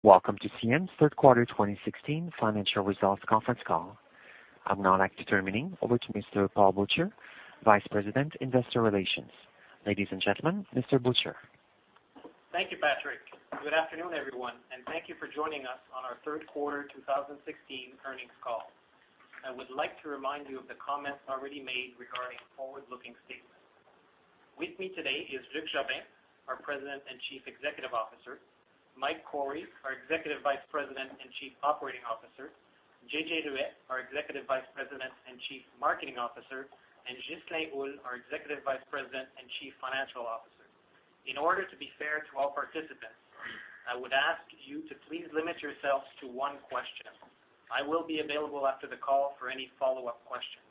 Welcome to CN's Third Quarter 2016 financial results conference call. I would now like to turn the meeting over to Mr. Paul Butcher, Vice President, Investor Relations. Ladies and gentlemen, Mr. Butcher. Thank you, Patrick. Good afternoon, everyone, and thank you for joining us on our third quarter 2016 earnings call. I would like to remind you of the comments already made regarding forward-looking statements. With me today is Luc Jobin, our President and Chief Executive Officer, Mike Cory, our Executive Vice President and Chief Operating Officer, JJ Ruest, our Executive Vice President and Chief Marketing Officer, and Ghislain Houle, our Executive Vice President and Chief Financial Officer. In order to be fair to all participants, I would ask you to please limit yourselves to one question. I will be available after the call for any follow-up questions.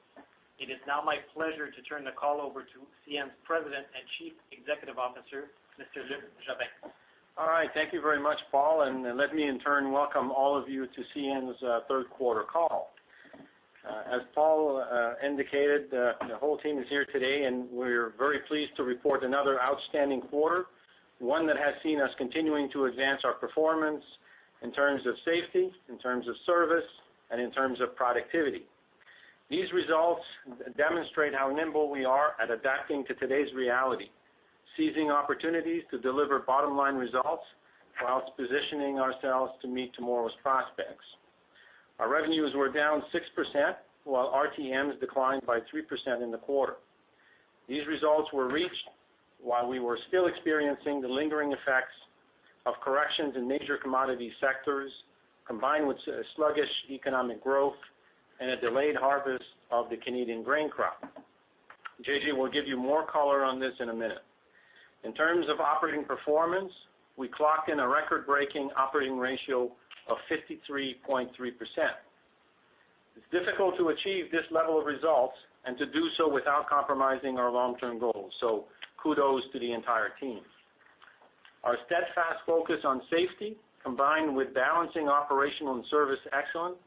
It is now my pleasure to turn the call over to CN's President and Chief Executive Officer, Mr. Luc Jobin. All right. Thank you very much, Paul, and let me in turn welcome all of you to CN's third quarter call. As Paul indicated, the whole team is here today, and we're very pleased to report another outstanding quarter, one that has seen us continuing to advance our performance in terms of safety, in terms of service, and in terms of productivity. These results demonstrate how nimble we are at adapting to today's reality, seizing opportunities to deliver bottom-line results whilst positioning ourselves to meet tomorrow's prospects. Our revenues were down 6%, while RTMs declined by 3% in the quarter. These results were reached while we were still experiencing the lingering effects of corrections in major commodity sectors, combined with a sluggish economic growth and a delayed harvest of the Canadian grain crop. JJ will give you more color on this in a minute. In terms of operating performance, we clocked in a record-breaking operating ratio of 53.3%. It's difficult to achieve this level of results and to do so without compromising our long-term goals, so kudos to the entire team. Our steadfast focus on safety, combined with balancing operational and service excellence,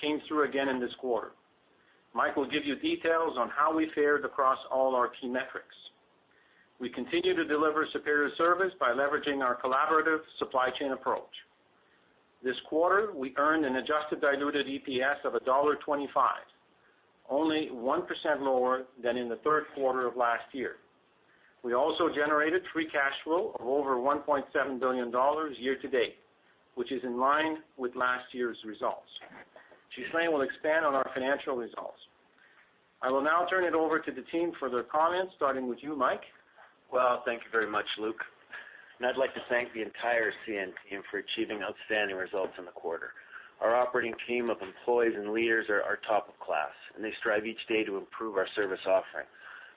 came through again in this quarter. Mike will give you details on how we fared across all our key metrics. We continue to deliver superior service by leveraging our collaborative supply chain approach. This quarter, we earned an adjusted diluted EPS of dollar 1.25, only 1% lower than in the third quarter of last year. We also generated free cash flow of over 1.7 billion dollars year to date, which is in line with last year's results. Ghislain will expand on our financial results. I will now turn it over to the team for their comments, starting with you, Mike. Well, thank you very much, Luc, and I'd like to thank the entire CN team for achieving outstanding results in the quarter. Our operating team of employees and leaders are top of class, and they strive each day to improve our service offering.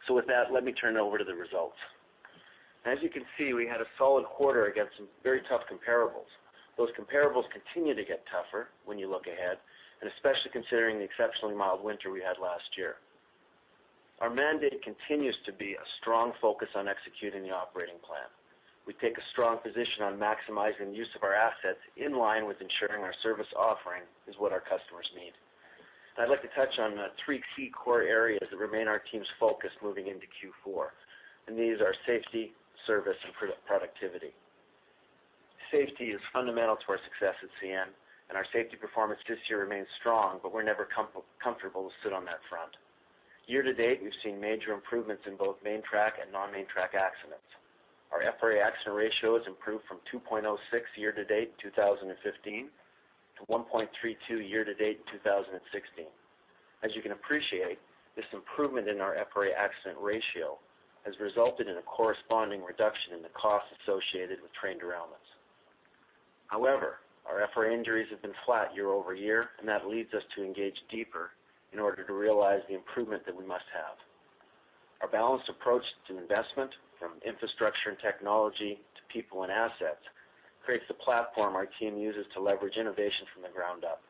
So with that, let me turn it over to the results. As you can see, we had a solid quarter against some very tough comparables. Those comparables continue to get tougher when you look ahead, and especially considering the exceptionally mild winter we had last year. Our mandate continues to be a strong focus on executing the operating plan. We take a strong position on maximizing use of our assets in line with ensuring our service offering is what our customers need. I'd like to touch on three key core areas that remain our team's focus moving into Q4, and these are safety, service, and productivity. Safety is fundamental to our success at CN, and our safety performance this year remains strong, but we're never comfortable to sit on that front. Year to date, we've seen major improvements in both main track and non-main track accidents. Our FRA accident ratio has improved from 2.06 year to date in 2015 to 1.32 year to date in 2016. As you can appreciate, this improvement in our FRA accident ratio has resulted in a corresponding reduction in the costs associated with train derailments. However, our FRA injuries have been flat year over year, and that leads us to engage deeper in order to realize the improvement that we must have. Our balanced approach to investment, from infrastructure and technology to people and assets, creates the platform our team uses to leverage innovation from the ground up.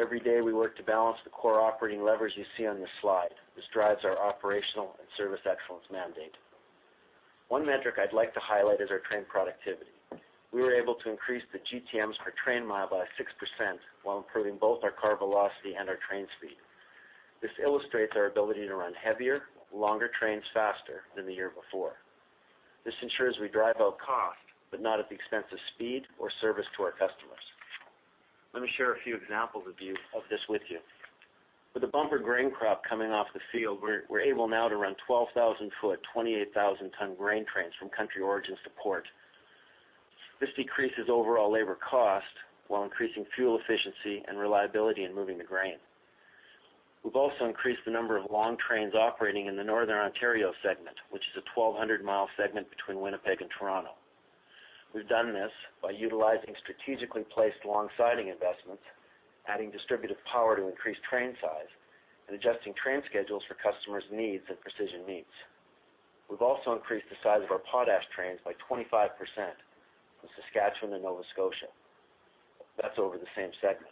Every day, we work to balance the core operating levers you see on this slide. This drives our operational and service excellence mandate. One metric I'd like to highlight is our train productivity. We were able to increase the GTMs per train mile by 6% while improving both our car velocity and our train speed. This illustrates our ability to run heavier, longer trains faster than the year before. This ensures we drive out cost, but not at the expense of speed or service to our customers. Let me share a few examples of this with you. With the bumper grain crop coming off the field, we're able now to run 12,000 ft, 28,000 ton grain trains from country origins to port. This decreases overall labor cost while increasing fuel efficiency and reliability in moving the grain. We've also increased the number of long trains operating in the northern Ontario segment, which is a 1,200 mi segment between Winnipeg and Toronto. We've done this by utilizing strategically placed long-siding investments, adding distributed power to increase train size, and adjusting train schedules for customers' needs and precision needs. We've also increased the size of our potash trains by 25% from Saskatchewan to Nova Scotia. That's over the same segment.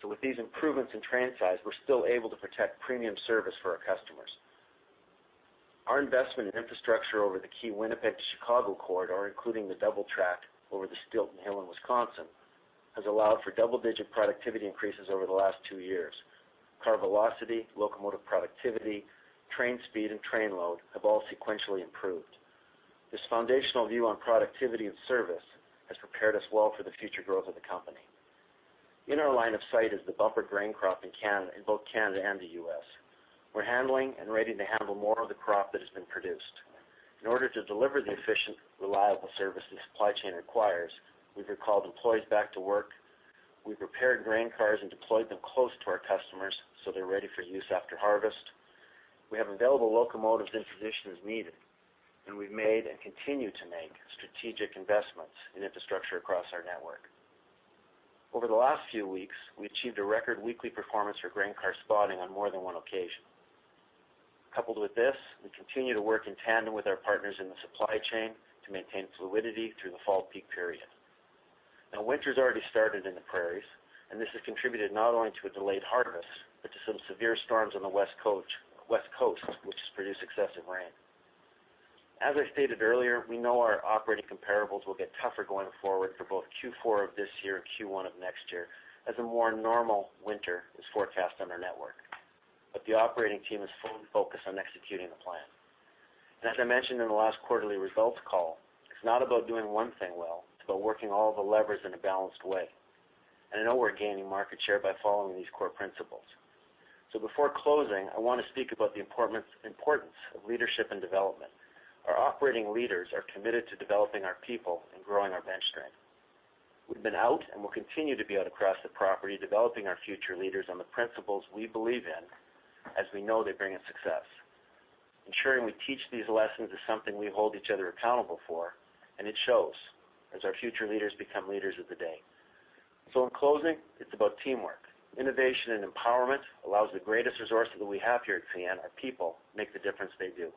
So with these improvements in train size, we're still able to protect premium service for our customers. Our investment in infrastructure over the key Winnipeg to Chicago corridor, including the double track over the Hamilton Hill in Wisconsin, has allowed for double-digit productivity increases over the last two years. Car velocity, locomotive productivity, train speed, and train load have all sequentially improved. This foundational view on productivity and service has prepared us well for the future growth of the company. In our line of sight is the bumper grain crop in Canada, in both Canada and the U.S. We're handling and ready to handle more of the crop that has been produced. In order to deliver the efficient, reliable service the supply chain requires, we've recalled employees back to work, we've repaired grain cars and deployed them close to our customers, so they're ready for use after harvest. We have available locomotives in position as needed, and we've made and continue to make strategic investments in infrastructure across our network. Over the last few weeks, we achieved a record weekly performance for grain car spotting on more than one occasion. Coupled with this, we continue to work in tandem with our partners in the supply chain to maintain fluidity through the fall peak period. Now, winter's already started in the prairies, and this has contributed not only to a delayed harvest, but to some severe storms on the West Coast, which has produced excessive rain. As I stated earlier, we know our operating comparables will get tougher going forward for both Q4 of this year and Q1 of next year, as a more normal winter is forecast on our network. But the operating team is fully focused on executing the plan. And as I mentioned in the last quarterly results call, it's not about doing one thing well, it's about working all the levers in a balanced way. And I know we're gaining market share by following these core principles. So before closing, I want to speak about the importance of leadership and development. Our operating leaders are committed to developing our people and growing our bench strength. We've been out and will continue to be out across the property, developing our future leaders on the principles we believe in, as we know they bring us success. Ensuring we teach these lessons is something we hold each other accountable for, and it shows as our future leaders become leaders of the day. So in closing, it's about teamwork. Innovation and empowerment allows the greatest resources that we have here at CN, our people, make the difference they do.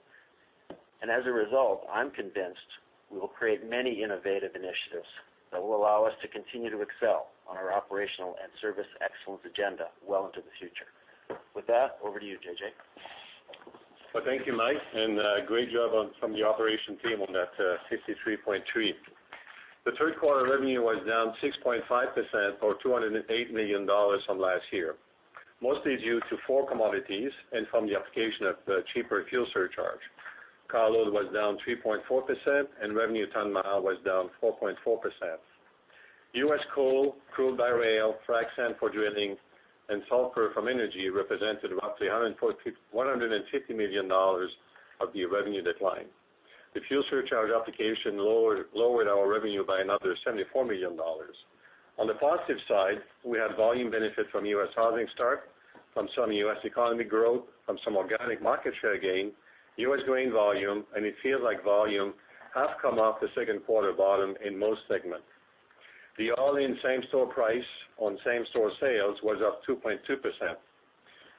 As a result, I'm convinced we will create many innovative initiatives that will allow us to continue to excel on our operational and service excellence agenda well into the future. With that, over to you, JJ. Well, thank you, Mike, and great job from the operations team on that 53.3. The third quarter revenue was down 6.5% or 208 million dollars from last year, mostly due to four commodities and from the application of the cheaper fuel surcharge. Carload was down 3.4%, and revenue ton mile was down 4.4%. US coal, crude by rail, frac sand for drilling, and sulfur from energy represented about 150 million dollars of the revenue decline. The fuel surcharge application lowered our revenue by another 74 million dollars. On the positive side, we had volume benefit from U.S. housing start, from some U.S. economy growth, from some organic market share gain, U.S. grain volume, and it feels like volume has come off the second quarter bottom in most segments. The all-in same-store price on same-store sales was up 2.2%.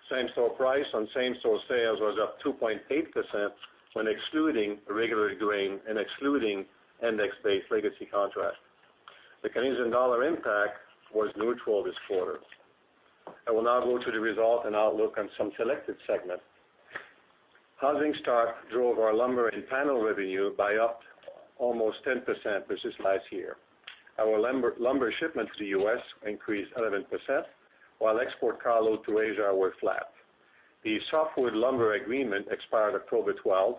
Same-store price on same-store sales was up 2.8% when excluding regulated grain and excluding index-based legacy contracts. The Canadian dollar impact was neutral this quarter. I will now go to the result and outlook on some selected segments. Housing start drove our lumber and panel revenue by up almost 10% versus last year. Our lumber, lumber shipment to the U.S. increased 11%, while export car load to Asia were flat. The softwood lumber agreement expired October 12,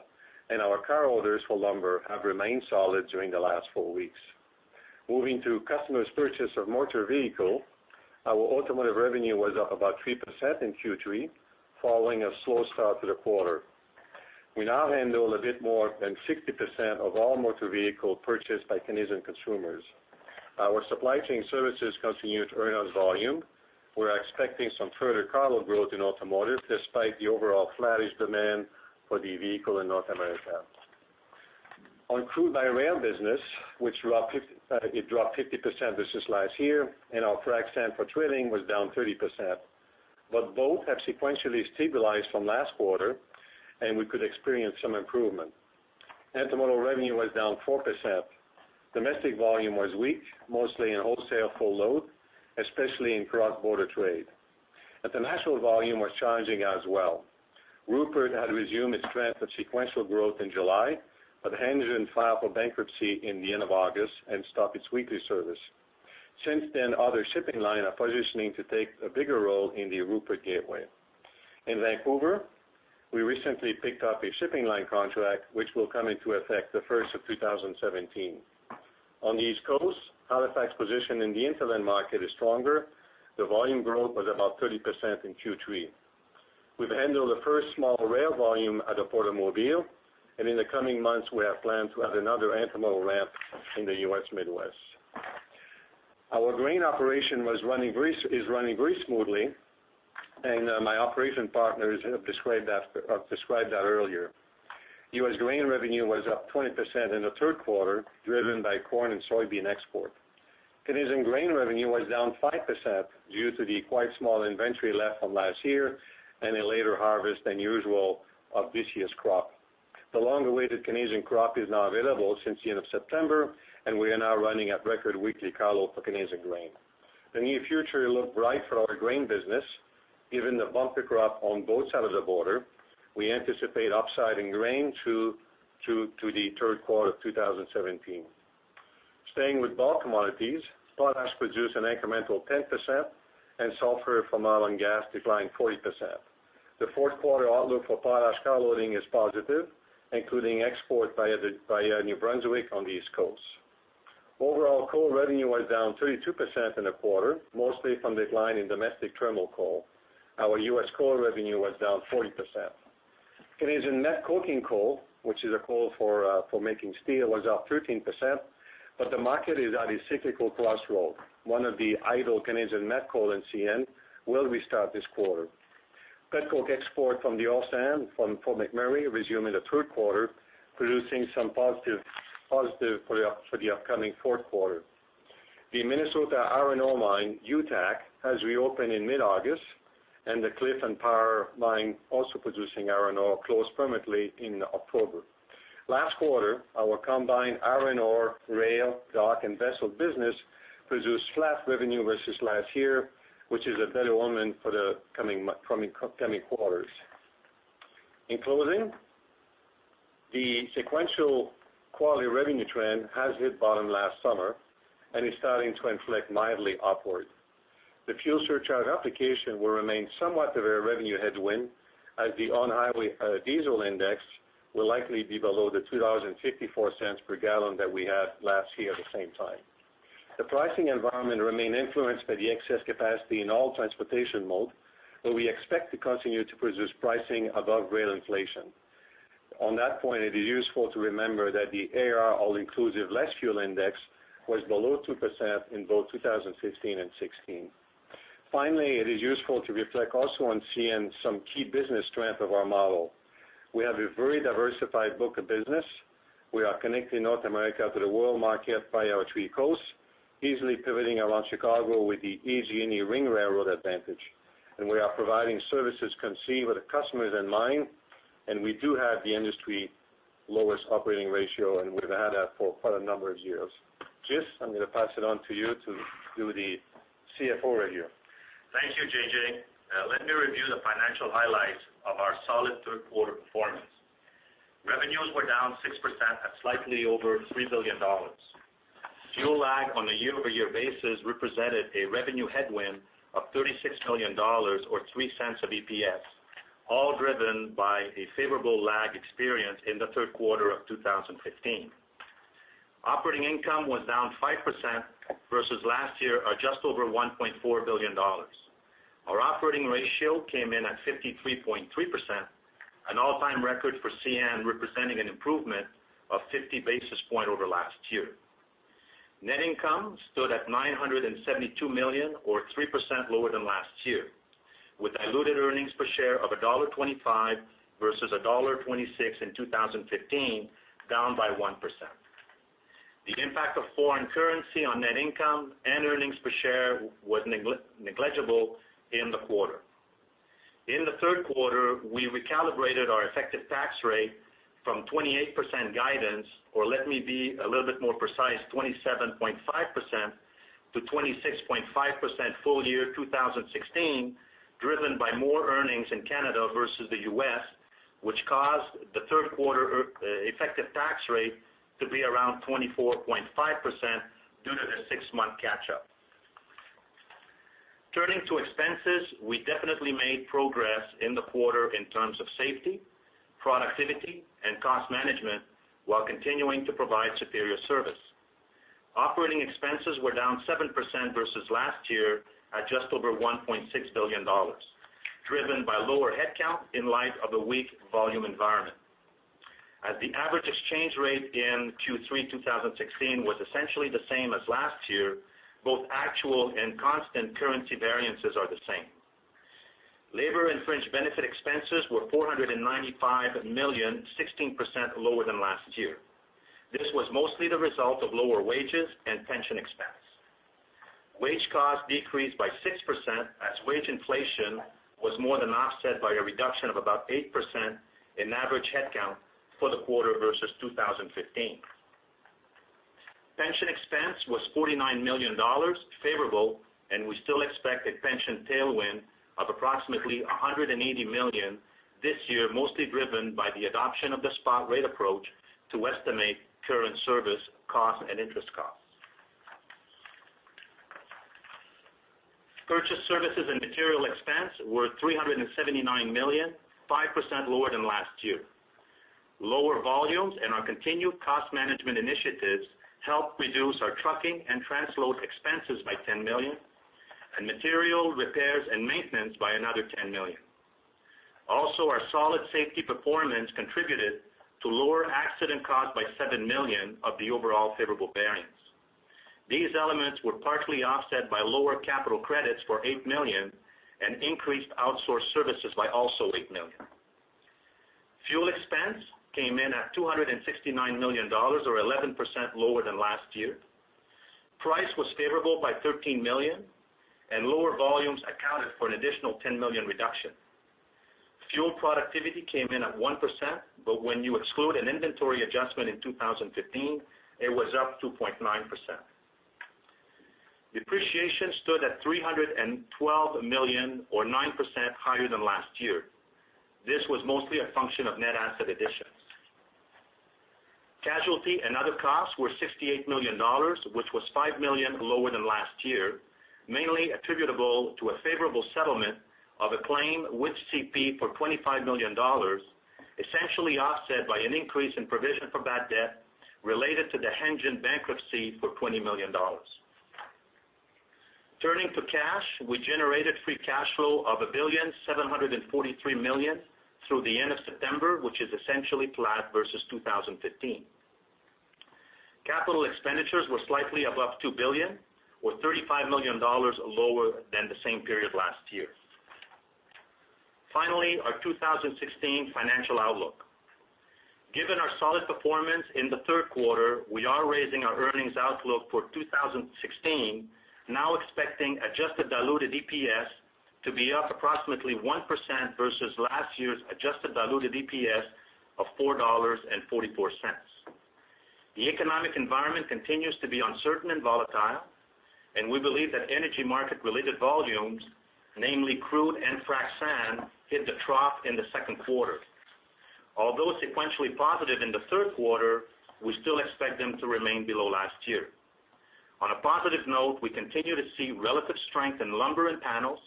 and our car orders for lumber have remained solid during the last four weeks. Moving to customers' purchase of motor vehicle, our automotive revenue was up about 3% in Q3, following a slow start to the quarter. We now handle a bit more than 60% of all motor vehicle purchased by Canadian consumers. Our supply chain services continued to earn on volume. We're expecting some further cargo growth in automotive, despite the overall flattish demand for the vehicle in North America. On crude by rail business, it dropped 50% versus last year, and our frac sand for drilling was down 30%, but both have sequentially stabilized from last quarter, and we could experience some improvement. Intermodal revenue was down 4%. Domestic volume was weak, mostly in wholesale full load, especially in cross-border trade. International volume was challenging as well. Rupert had resumed its trend for sequential growth in July, but Hanjin filed for bankruptcy in the end of August and stopped its weekly service. Since then, other shipping lines are positioning to take a bigger role in the Rupert gateway. In Vancouver, we recently picked up a shipping line contract, which will come into effect the first of 2017. On the East Coast, Halifax position in the intermodal market is stronger. The volume growth was about 30% in Q3. We've handled the first small rail volume out of Port of Mobile, and in the coming months, we have planned to add another intermodal ramp in the U.S. Midwest. Our grain operation was running very - is running very smoothly, and, my operation partners have described that, described that earlier. US grain revenue was up 20% in the third quarter, driven by corn and soybean export. Canadian grain revenue was down 5% due to the quite small inventory left from last year and a later harvest than usual of this year's crop. The long-awaited Canadian crop is now available since the end of September, and we are now running at record weekly carload for Canadian grain. The near future look bright for our grain business, given the bumper crop on both sides of the border. We anticipate upside in grain to the third quarter of 2017.... Staying with bulk commodities, potash produced an incremental 10% and sulfur from oil and gas declined 40%. The fourth quarter outlook for potash car loading is positive, including export via New Brunswick on the East Coast. Overall, coal revenue was down 32% in the quarter, mostly from decline in domestic terminal coal. Our U.S. coal revenue was down 40%. Canadian met coking coal, which is a coal for making steel, was up 13%, but the market is at a cyclical crossroad. One of the idle Canadian met coal in CN will restart this quarter. Petcoke export from the oil sands from Fort McMurray resumed in the third quarter, producing some positive for the upcoming fourth quarter. The Minnesota iron ore mine, United Taconite, has reopened in mid-August, and the Cliffs and Empire Mine, also producing iron ore, closed permanently in October. Last quarter, our combined iron ore, rail, dock, and vessel business produced flat revenue versus last year, which is a better omen for the coming quarters. In closing, the sequential quality revenue trend has hit bottom last summer and is starting to inflect mildly upward. The fuel surcharge application will remain somewhat of a revenue headwind, as the on-highway diesel index will likely be below 2.54 dollars per gallon that we had last year at the same time. The pricing environment remain influenced by the excess capacity in all transportation mode, but we expect to continue to produce pricing above rail inflation. On that point, it is useful to remember that the AAR all-inclusive less fuel index was below 2% in both 2015 and 2016. Finally, it is useful to reflect also on CN some key business strength of our model. We have a very diversified book of business. We are connecting North America to the world market by our three coasts, easily pivoting around Chicago with the easy uni-ring railroad advantage. We are providing services conceived with the customers in mind, and we do have the industry lowest operating ratio, and we've had that for quite a number of years. Gis, I'm gonna pass it on to you to do the CFO review. Thank you, JJ. Let me review the financial highlights of our solid third quarter performance. Revenues were down 6% at slightly over 3 billion dollars. Fuel lag on a year-over-year basis represented a revenue headwind of 36 million dollars or 0.03 EPS, all driven by a favorable lag experience in the third quarter of 2015. Operating income was down 5% versus last year at just over 1.4 billion dollars. Our operating ratio came in at 53.3%, an all-time record for CN, representing an improvement of 50 basis points over last year. Net income stood at 972 million, or 3% lower than last year, with diluted earnings per share of dollar 1.25 versus dollar 1.26 in 2015, down by 1%. The impact of foreign currency on net income and earnings per share was negligible in the quarter. In the third quarter, we recalibrated our effective tax rate from 28% guidance, or let me be a little bit more precise, 27.5%-26.5% full year 2016, driven by more earnings in Canada versus the U.S, which caused the third quarter effective tax rate to be around 24.5% due to the six-month catch-up. Turning to expenses, we definitely made progress in the quarter in terms of safety, productivity, and cost management, while continuing to provide superior service. Operating expenses were down 7% versus last year at just over 1.6 billion dollars, driven by lower headcount in light of a weak volume environment. As the average exchange rate in Q3 2016 was essentially the same as last year, both actual and constant currency variances are the same. Labor and fringe benefit expenses were 495 million, 16% lower than last year. This was mostly the result of lower wages and pension expense. Wage costs decreased by 6%, as wage inflation was more than offset by a reduction of about 8% in average headcount for the quarter versus 2015. Pension expense was 49 million dollars favorable, and we still expect a pension tailwind of approximately 180 million this year, mostly driven by the adoption of the Spot Rate Approach to estimate current service costs and interest costs. Purchased services and material expense were 379 million, 5% lower than last year. Lower volumes and our continued cost management initiatives helped reduce our trucking and transload expenses by 10 million, and material repairs and maintenance by another 10 million. Also, our solid safety performance contributed to lower accident costs by 7 million of the overall favorable variance. These elements were partly offset by lower capital credits for 8 million and increased outsourced services by also 8 million. Fuel expense came in at 269 million dollars, or 11% lower than last year. Price was favorable by 13 million, and lower volumes accounted for an additional 10 million reduction. Fuel productivity came in at 1%, but when you exclude an inventory adjustment in 2015, it was up 2.9%. Depreciation stood at 312 million or 9% higher than last year. This was mostly a function of net asset additions. Casualty and other costs were 68 million dollars, which was 5 million lower than last year, mainly attributable to a favorable settlement of a claim with CP for 25 million dollars, essentially offset by an increase in provision for bad debt related to the Hanjin bankruptcy for 20 million dollars. Turning to cash, we generated free cash flow of 1,743 million through the end of September, which is essentially flat versus 2015. Capital expenditures were slightly above 2 billion, or 35 million dollars lower than the same period last year. Finally, our 2016 financial outlook. Given our solid performance in the third quarter, we are raising our earnings outlook for 2016, now expecting adjusted diluted EPS to be up approximately 1% versus last year's adjusted diluted EPS of 4.44 dollars. The economic environment continues to be uncertain and volatile, and we believe that energy market-related volumes, namely crude and frac sand, hit the trough in the second quarter. Although sequentially positive in the third quarter, we still expect them to remain below last year. On a positive note, we continue to see relative strength in lumber and panels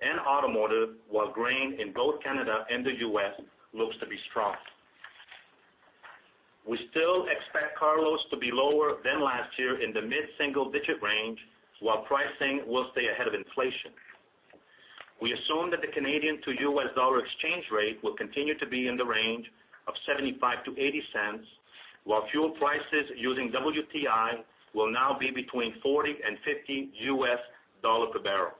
and automotive, while grain in both Canada and the U.S. looks to be strong. We still expect carloads to be lower than last year in the mid-single digit range, while pricing will stay ahead of inflation. We assume that the Canadian to U.S. dollar exchange rate will continue to be in the range of 0.70-0.80 cents, while fuel prices using WTI will now be between CAD 40-CAD 50 per barrel.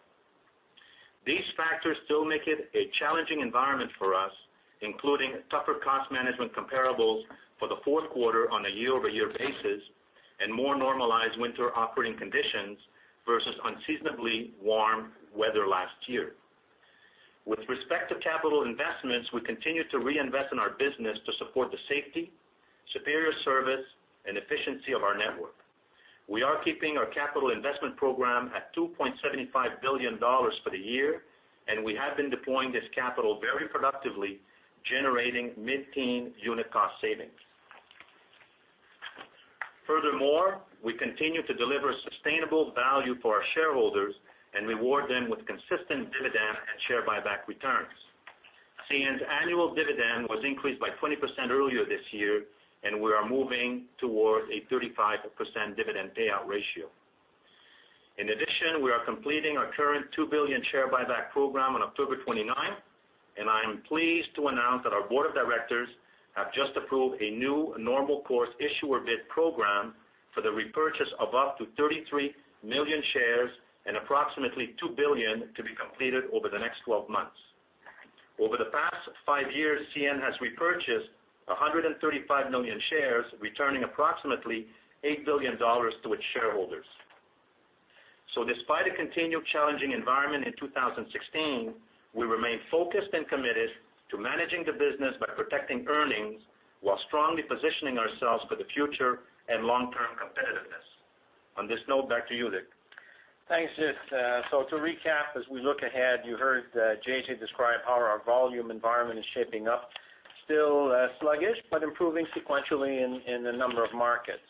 These factors still make it a challenging environment for us, including tougher cost management comparables for the fourth quarter on a year-over-year basis and more normalized winter operating conditions versus unseasonably warm weather last year. With respect to capital investments, we continue to reinvest in our business to support the safety, superior service, and efficiency of our network. We are keeping our capital investment program at 2.75 billion dollars for the year, and we have been deploying this capital very productively, generating mid-teen unit cost savings. Furthermore, we continue to deliver sustainable value for our shareholders and reward them with consistent dividend and share buyback returns. CN's annual dividend was increased by 20% earlier this year, and we are moving towards a 35% dividend payout ratio. In addition, we are completing our current 2 billion share buyback program on October 29, and I am pleased to announce that our board of directors have just approved a new Normal Course Issuer Bid program for the repurchase of up to 33 million shares and approximately 2 billion to be completed over the next 12 months. Over the past 5 years, CN has repurchased 135 million shares, returning approximately 8 billion dollars to its shareholders. So despite a continued challenging environment in 2016, we remain focused and committed to managing the business by protecting earnings, while strongly positioning ourselves for the future and long-term competitiveness. On this note, back to you, Luc. Thanks, Ghislain. So to recap, as we look ahead, you heard JJ describe how our volume environment is shaping up. Still sluggish, but improving sequentially in a number of markets.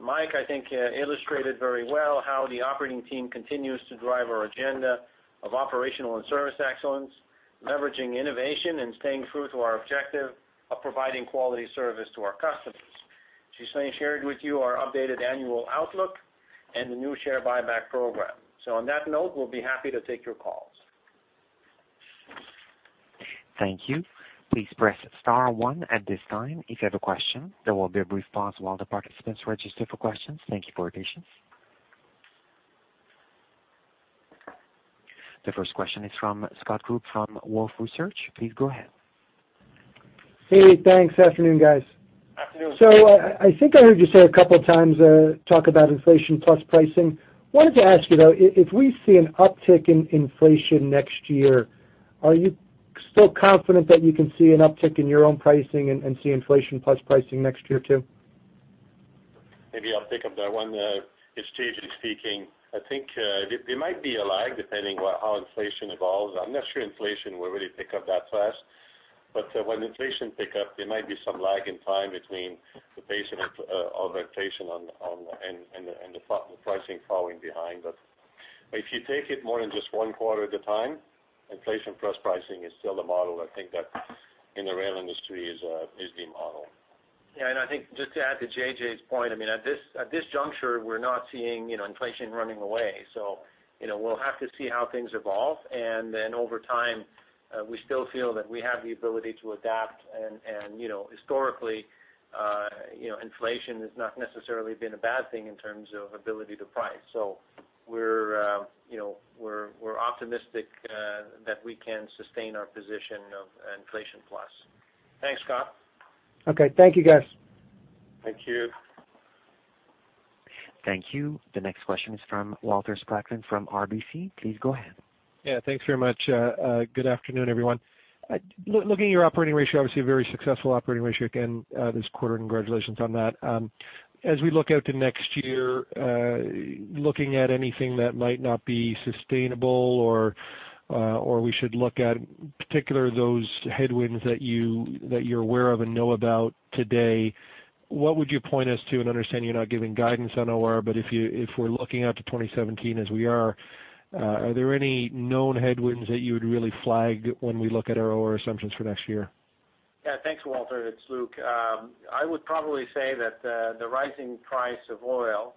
Mike, I think, illustrated very well how the operating team continues to drive our agenda of operational and service excellence, leveraging innovation and staying true to our objective of providing quality service to our customers. Ghislain shared with you our updated annual outlook and the new share buyback program. So on that note, we'll be happy to take your calls. Thank you. Please press star one at this time, if you have a question. There will be a brief pause while the participants register for questions. Thank you for your patience. The first question is from Scott Group from Wolfe Research. Please go ahead. Hey, thanks. Afternoon, guys. Afternoon. Afternoon. So I think I heard you say a couple of times talk about inflation plus pricing. Wanted to ask you, though, if we see an uptick in inflation next year, are you still confident that you can see an uptick in your own pricing and see inflation plus pricing next year, too? Maybe I'll pick up that one. It's JJ speaking. I think there might be a lag, depending on how inflation evolves. I'm not sure inflation will really pick up that fast. But when inflation pick up, there might be some lag in time between the pace of inflation and the pricing following behind. But if you take it more than just one quarter at a time, inflation plus pricing is still the model. I think that in the rail industry is the model. Yeah, and I think just to add to JJ's point, I mean, at this juncture, we're not seeing, you know, inflation running away. So, you know, we'll have to see how things evolve. And then over time, we still feel that we have the ability to adapt. And, you know, historically, you know, inflation has not necessarily been a bad thing in terms of ability to price. So we're, you know, we're optimistic, that we can sustain our position of inflation plus. Thanks, Scott. Okay. Thank you, guys. Thank you. Thank you. The next question is from Walter Spracklin from RBC. Please go ahead. Yeah, thanks very much. Good afternoon, everyone. Looking at your operating ratio, obviously a very successful operating ratio again, this quarter, congratulations on that. As we look out to next year, looking at anything that might not be sustainable or, or we should look at, particular those headwinds that you, that you're aware of and know about today, what would you point us to? And understand you're not giving guidance on OR, but if you- if we're looking out to 2017 as we are, are there any known headwinds that you would really flag when we look at our OR assumptions for next year? Yeah. Thanks, Walter, it's Luc. I would probably say that, the rising price of oil,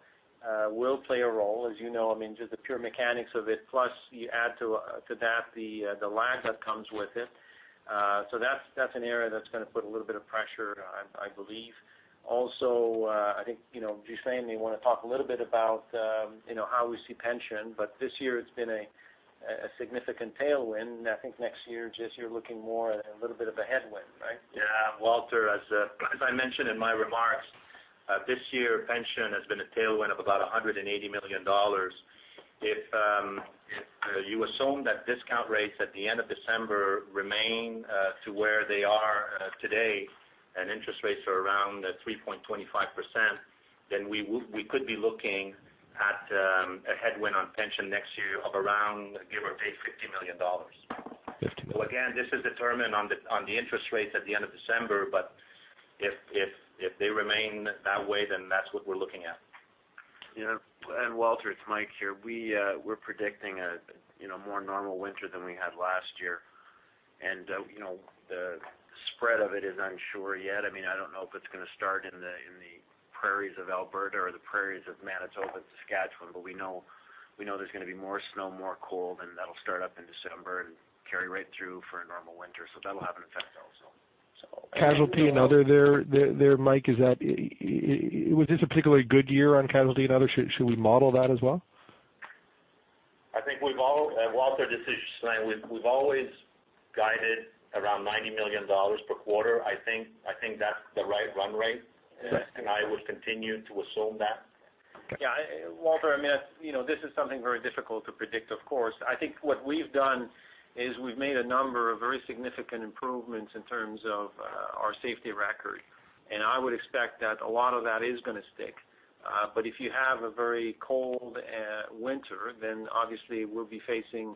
will play a role, as you know, I mean, just the pure mechanics of it, plus you add to, to that, the, the lag that comes with it. So that's, that's an area that's gonna put a little bit of pressure, I, I believe. Also, I think, you know, Ghislain may want to talk a little bit about, you know, how we see pension, but this year it's been a, a significant tailwind. I think next year, just you're looking more at a little bit of a headwind, right? Yeah, Walter, as I mentioned in my remarks, this year, pension has been a tailwind of about 180 million dollars. If you assume that discount rates at the end of December remain to where they are today, and interest rates are around 3.25%, then we could be looking at a headwind on pension next year of around, give or take, 50 million dollars. Fifty. So again, this is determined on the interest rates at the end of December, but if they remain that way, then that's what we're looking at. Yeah, Walter, it's Mike here. We, we're predicting a, you know, more normal winter than we had last year. And, you know, the spread of it is unsure yet. I mean, I don't know if it's gonna start in the, in the prairies of Alberta or the prairies of Manitoba, Saskatchewan, but we know, we know there's gonna be more snow, more cold, and that'll start up in December and carry right through for a normal winter. So that'll have an effect also, so- Casualty and other, Mike, was this a particularly good year on casualty and other? Should we model that as well? I think we've all—Walter, this is Ghislain. We've, we've always guided around 90 million dollars per quarter. I think, I think that's the right run rate, and I would continue to assume that. Yeah, Walter, I mean, you know, this is something very difficult to predict, of course. I think what we've done is we've made a number of very significant improvements in terms of our safety record, and I would expect that a lot of that is gonna stick. But if you have a very cold winter, then obviously we'll be facing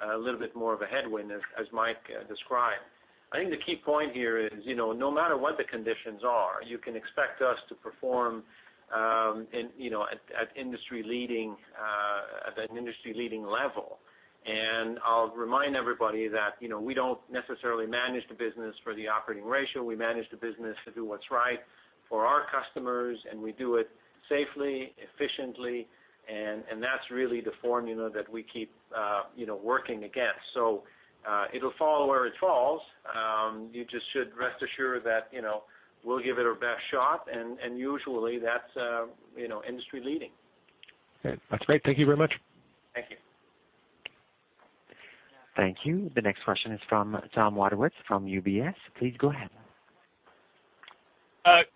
a little bit more of a headwind, as Mike described. I think the key point here is, you know, no matter what the conditions are, you can expect us to perform at an industry-leading level. And I'll remind everybody that, you know, we don't necessarily manage the business for the operating ratio. We manage the business to do what's right for our customers, and we do it safely, efficiently, and that's really the formula that we keep, you know, working against. So, it'll follow where it falls. You just should rest assured that, you know, we'll give it our best shot, and usually that's, you know, industry leading. Okay. That's great. Thank you very much. Thank you. Thank you. The next question is from Tom Wadewitz from UBS. Please go ahead.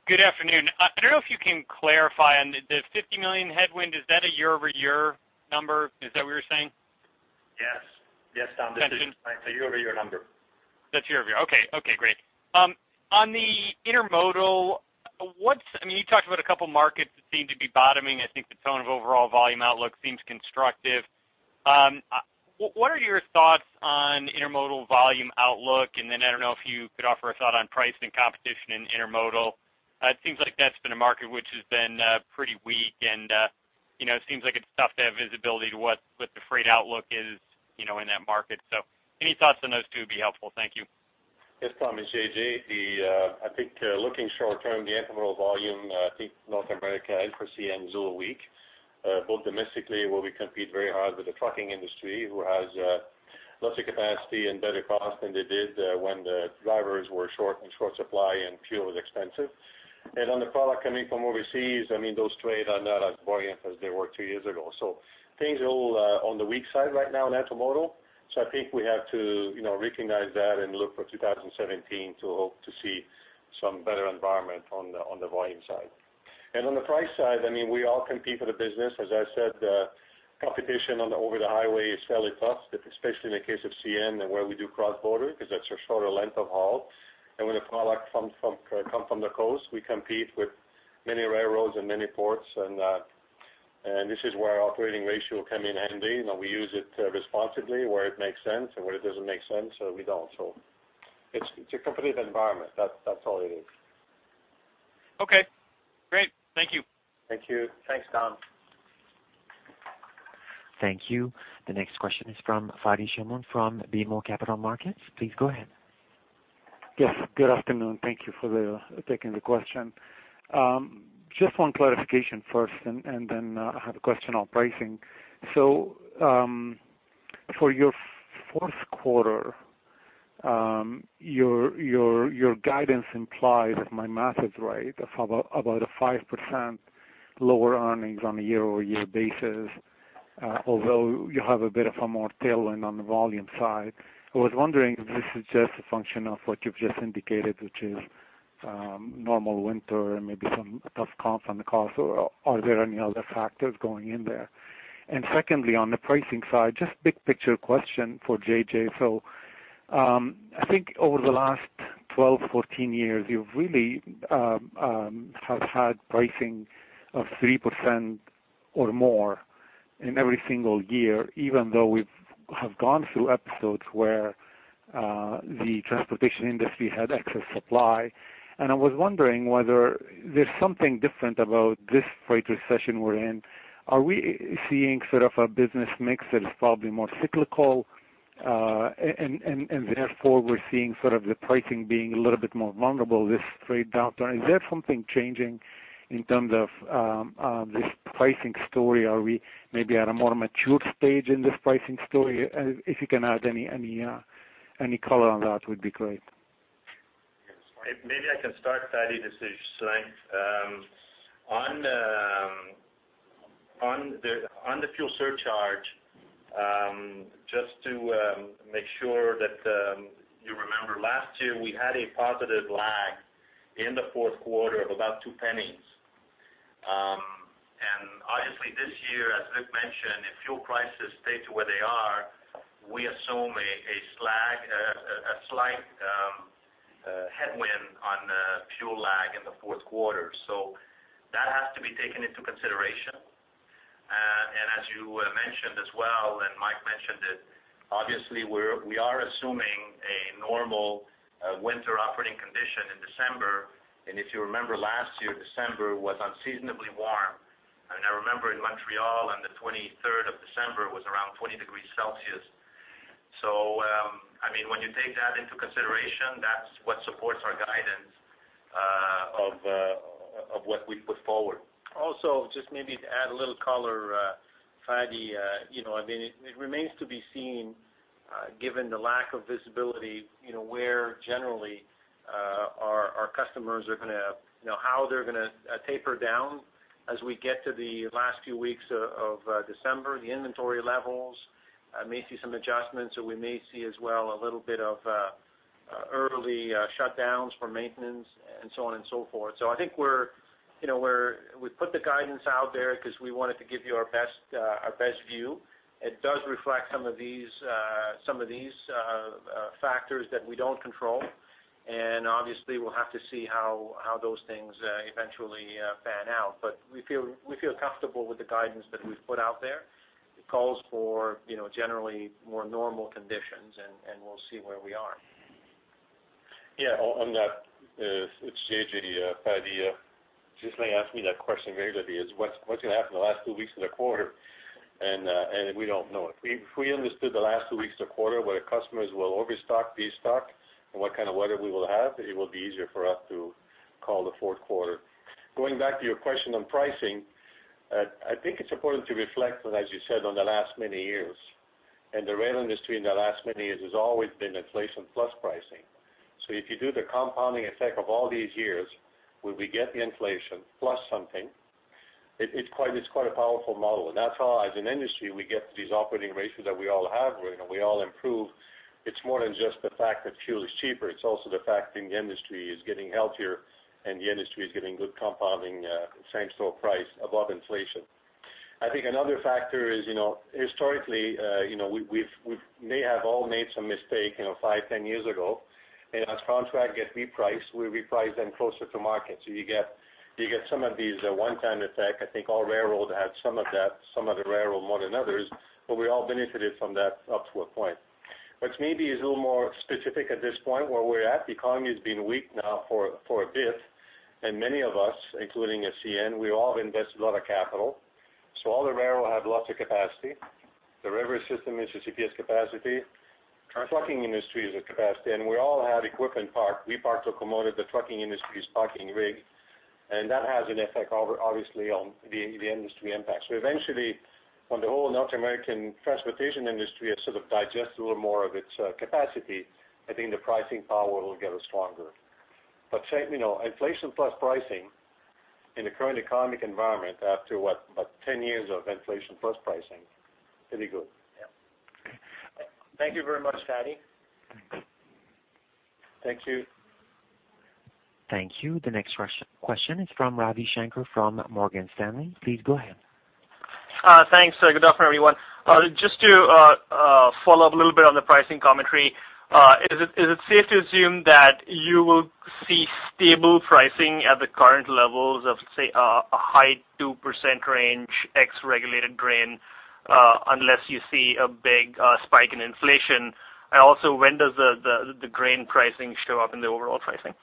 Good afternoon. I don't know if you can clarify on the 50 million headwind. Is that a year-over-year number? Is that what you're saying? Yes. Yes, Tom, that's a year-over-year number. That's year over year. Okay. Okay, great. On the intermodal, I mean, you talked about a couple markets that seem to be bottoming. I think the tone of overall volume outlook seems constructive. What are your thoughts on intermodal volume outlook? And then I don't know if you could offer a thought on pricing and competition in intermodal. It seems like that's been a market which has been pretty weak and, you know, it seems like it's tough to have visibility to what the freight outlook is, you know, in that market. So any thoughts on those two would be helpful. Thank you. Yes, Tom, it's JJ. The, I think, looking short term, the intermodal volume, I think North America and for CN is a little weak, both domestically, where we compete very hard with the trucking industry, who has, lots of capacity and better cost than they did, when the drivers were short, in short supply and fuel was expensive. And on the product coming from overseas, I mean, those trades are not as buoyant as they were two years ago. So things are a little, on the weak side right now in intermodal. So I think we have to, you know, recognize that and look for 2017 to hope to see some better environment on the, on the volume side. And on the price side, I mean, we all compete for the business. As I said, competition on the over the highway is fairly tough, especially in the case of CN and where we do cross-border, because that's a shorter length of haul. And when a product come from the coast, we compete with many railroads and many ports, and this is where our operating ratio come in handy, and we use it responsibly, where it makes sense, and where it doesn't make sense, we don't. So it's, it's a competitive environment. That's, that's all it is. Okay, great. Thank you. Thank you. Thanks, Tom. Thank you. The next question is from Fadi Chamoun from BMO Capital Markets. Please go ahead. Yes, good afternoon. Thank you for taking the question. Just one clarification first, and then I have a question on pricing. So, for your fourth quarter, your guidance implies, if my math is right, of about 5% lower earnings on a year-over-year basis, although you have a bit of a more tailwind on the volume side. I was wondering if this is just a function of what you've just indicated, which is-... normal winter and maybe some tough comps on the cost, or are there any other factors going in there? And secondly, on the pricing side, just big picture question for JJ. So, I think over the last 12, 14 years, you've really have had pricing of 3% or more in every single year, even though we've have gone through episodes where the transportation industry had excess supply. And I was wondering whether there's something different about this freight recession we're in. Are we seeing sort of a business mix that is probably more cyclical, and therefore, we're seeing sort of the pricing being a little bit more vulnerable this freight downturn? Is there something changing in terms of this pricing story? Are we maybe at a more mature stage in this pricing story? If you can add any color on that would be great. Maybe I can start, Fadi. This is Ghislain. On the fuel surcharge, just to make sure that you remember, last year, we had a positive lag in the fourth quarter of about two pennies. And obviously this year, as Luc mentioned, if fuel prices stay to where they are, we assume a slight headwind on fuel lag in the fourth quarter. So that has to be taken into consideration. And as you mentioned as well, and Mike mentioned it, obviously, we are assuming a normal winter operating condition in December. And if you remember last year, December was unseasonably warm. I mean, I remember in Montreal, on the twenty-third of December, was around 20 degrees Celsius. I mean, when you take that into consideration, that's what supports our guidance of what we put forward. Also, just maybe to add a little color, Fadi, you know, I mean, it remains to be seen, given the lack of visibility, you know, where generally, our customers are gonna, you know, how they're gonna, taper down as we get to the last few weeks of December. The inventory levels may see some adjustments, or we may see as well, a little bit of early shutdowns for maintenance and so on and so forth. So I think we're, you know, we put the guidance out there because we wanted to give you our best view. It does reflect some of these factors that we don't control. And obviously, we'll have to see how those things eventually pan out. But we feel comfortable with the guidance that we've put out there. It calls for, you know, generally more normal conditions, and we'll see where we are. Yeah, on, on that, it's JJ, Fadi, you just may ask me that question earlier, today, is what's, what's gonna happen in the last two weeks of the quarter? And, and we don't know. If we, if we understood the last two weeks of the quarter, whether customers will overstock, destock, and what kind of weather we will have, it will be easier for us to call the fourth quarter. Going back to your question on pricing, I think it's important to reflect on, as you said, on the last many years. And the rail industry in the last many years has always been inflation plus pricing. So if you do the compounding effect of all these years, where we get the inflation plus something, it, it's quite, it's quite a powerful model. And that's how, as an industry, we get to these operating ratios that we all have, and we all improve. It's more than just the fact that fuel is cheaper. It's also the fact that the industry is getting healthier, and the industry is getting good compounding, same-store price above inflation. I think another factor is, you know, historically, you know, we've, we may have all made some mistake, you know, five, 10 years ago. And as contracts get repriced, we reprice them closer to market. So you get some of these one-time effect. I think all railroad had some of that, some of the railroad more than others, but we all benefited from that up to a point. What maybe is a little more specific at this point, where we're at, the economy has been weak now for, for a bit, and many of us, including at CN, we all have invested a lot of capital. So all the railroad have lots of capacity. The river system is at capacity. Trucking industry is at capacity, and we all have equipment parked. We parked locomotive, the trucking industry is parking rig, and that has an effect over, obviously, on the, the industry impact. So eventually, when the whole North American transportation industry has sort of digest a little more of its capacity, I think the pricing power will get stronger. But, you know, inflation plus pricing in the current economic environment, after what? About 10 years of inflation plus pricing, pretty good. Yeah. Okay. Thank you very much, Fadi. Thank you. Thank you. The next question is from Ravi Shanker, from Morgan Stanley. Please go ahead. Thanks. Good afternoon, everyone. Just to follow up a little bit on the pricing commentary, is it safe to assume that you will see stable pricing at the current levels of, say, a high 2% range, ex regulated grain, unless you see a big spike in inflation? And also, when does the grain pricing show up in the overall pricing?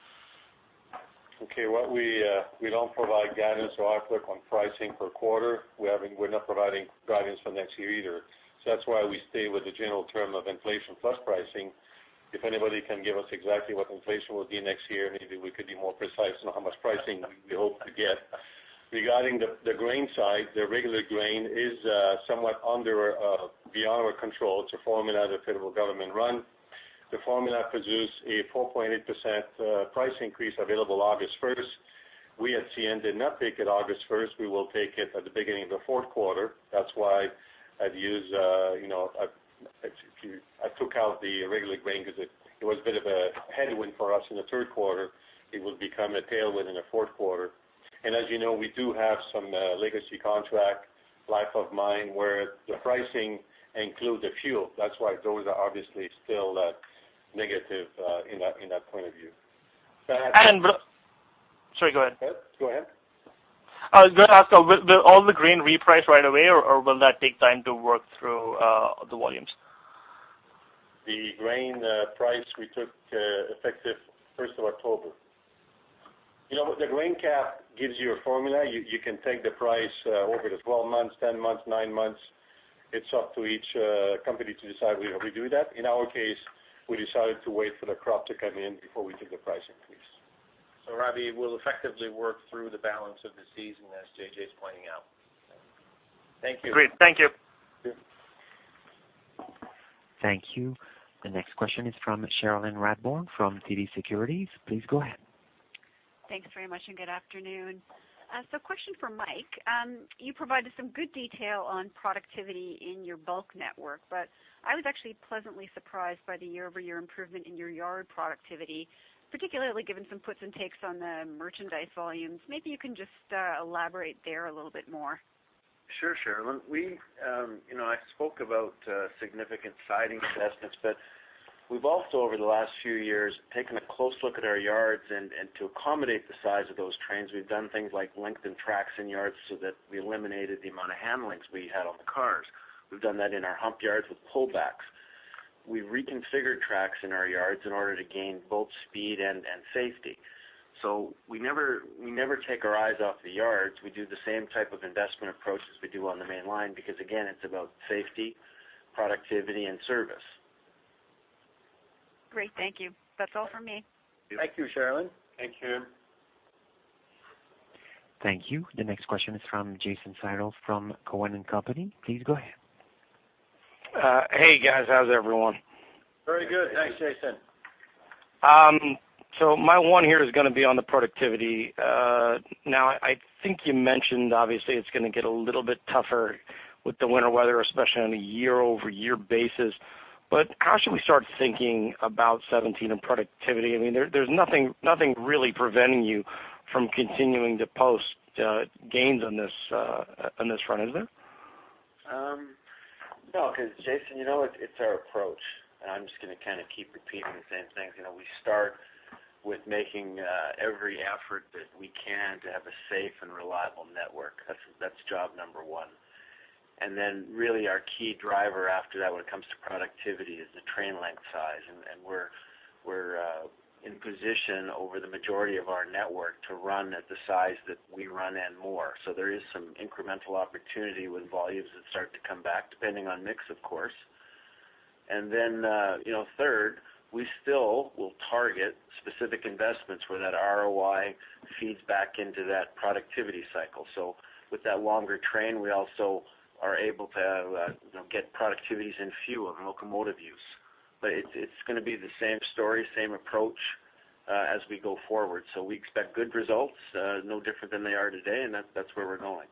Okay, what we, we don't provide guidance or outlook on pricing per quarter. We haven't. We're not providing guidance for next year either. So that's why we stay with the general term of inflation plus pricing. If anybody can give us exactly what inflation will be next year, maybe we could be more precise on how much pricing we hope to get. Regarding the, the grain side, the regular grain is, somewhat under, beyond our control. It's a formula that federal government run. The formula produces a 4.8% price increase available August first.... We at CN did not take it August first. We will take it at the beginning of the fourth quarter. That's why I've used, you know, I took out the regular grain because it was a bit of a headwind for us in the third quarter. It will become a tailwind in the fourth quarter. And as you know, we do have some legacy contract life of mine, where the pricing includes the fuel. That's why those are obviously still negative in that point of view. Sorry, go ahead. Go ahead. I was gonna ask, will all the grain reprice right away, or will that take time to work through the volumes? The grain price we took, effective first of October. You know, the grain cap gives you a formula. You can take the price over the twelve months, 10 months, nine months. It's up to each company to decide whether we do that. In our case, we decided to wait for the crop to come in before we took the price increase. So Ravi, we'll effectively work through the balance of the season, as JJ's pointing out. Thank you. Great. Thank you. Thank you. Thank you. The next question is from Cherilyn Radbourne from TD Securities. Please go ahead. Thanks very much, and good afternoon. Question for Mike. You provided some good detail on productivity in your bulk network, but I was actually pleasantly surprised by the year-over-year improvement in your yard productivity, particularly given some puts and takes on the merchandise volumes. Maybe you can just elaborate there a little bit more. Sure, Cherilyn. We, you know, I spoke about significant siding investments, but we've also, over the last few years, taken a close look at our yards, and to accommodate the size of those trains, we've done things like lengthened tracks in yards so that we eliminated the amount of handlings we had on the cars. We've done that in our hump yards with pullbacks. We've reconfigured tracks in our yards in order to gain both speed and safety. So we never, we never take our eyes off the yards. We do the same type of investment approach as we do on the main line, because, again, it's about safety, productivity, and service. Great. Thank you. That's all for me. Thank you, Cherilyn. Thank you. Thank you. The next question is from Jason Seidl from Cowen and Company. Please go ahead. Hey, guys. How's everyone? Very good. Thanks, Jason. Very good. So my one here is gonna be on the productivity. Now, I think you mentioned, obviously, it's gonna get a little bit tougher with the winter weather, especially on a year-over-year basis. But how should we start thinking about 2017 and productivity? I mean, there's, there's nothing, nothing really preventing you from continuing to post gains on this front, is there? No, 'cause Jason, you know, it's our approach, and I'm just gonna kind of keep repeating the same things. You know, we start with making every effort that we can to have a safe and reliable network. That's job number one. And then, really our key driver after that, when it comes to productivity, is the train length size. And we're in position over the majority of our network to run at the size that we run and more. So there is some incremental opportunity with volumes that start to come back, depending on mix, of course. And then, you know, third, we still will target specific investments where that ROI feeds back into that productivity cycle. So with that longer train, we also are able to, you know, get productivities in fewer locomotive use. But it's, it's gonna be the same story, same approach, as we go forward. So we expect good results, no different than they are today, and that's, that's where we're going.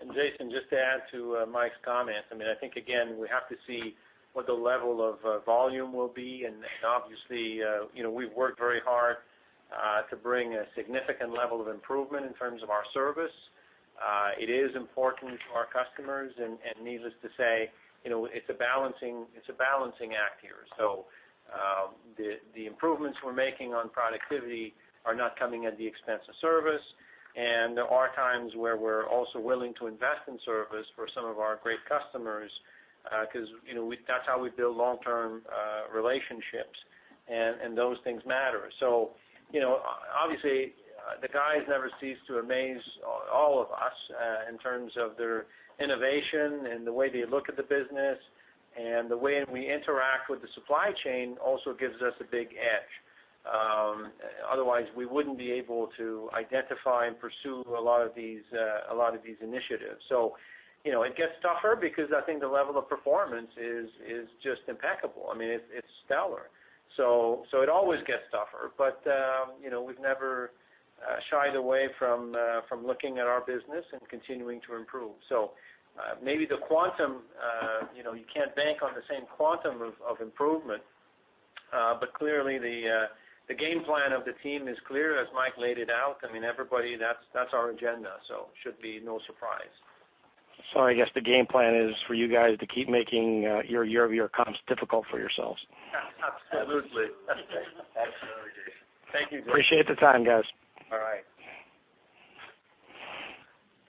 And Jason, just to add to Mike's comments, I mean, I think, again, we have to see what the level of volume will be. And obviously, you know, we've worked very hard to bring a significant level of improvement in terms of our service. It is important to our customers, and needless to say, you know, it's a balancing act here. So, the improvements we're making on productivity are not coming at the expense of service. And there are times where we're also willing to invest in service for some of our great customers, because, you know, that's how we build long-term relationships, and those things matter. So, you know, obviously, the guys never cease to amaze all of us in terms of their innovation and the way they look at the business, and the way we interact with the supply chain also gives us a big edge. Otherwise, we wouldn't be able to identify and pursue a lot of these initiatives. So, you know, it gets tougher because I think the level of performance is just impeccable. I mean, it's stellar. So it always gets tougher, but, you know, we've never shied away from looking at our business and continuing to improve. So, maybe the quantum, you know, you can't bank on the same quantum of improvement. But clearly, the game plan of the team is clear, as Mike laid it out. I mean, everybody, that's, that's our agenda, so should be no surprise. I guess the game plan is for you guys to keep making your year-over-year comps difficult for yourselves? Absolutely. Absolutely. Thank you. Appreciate the time, guys. All right.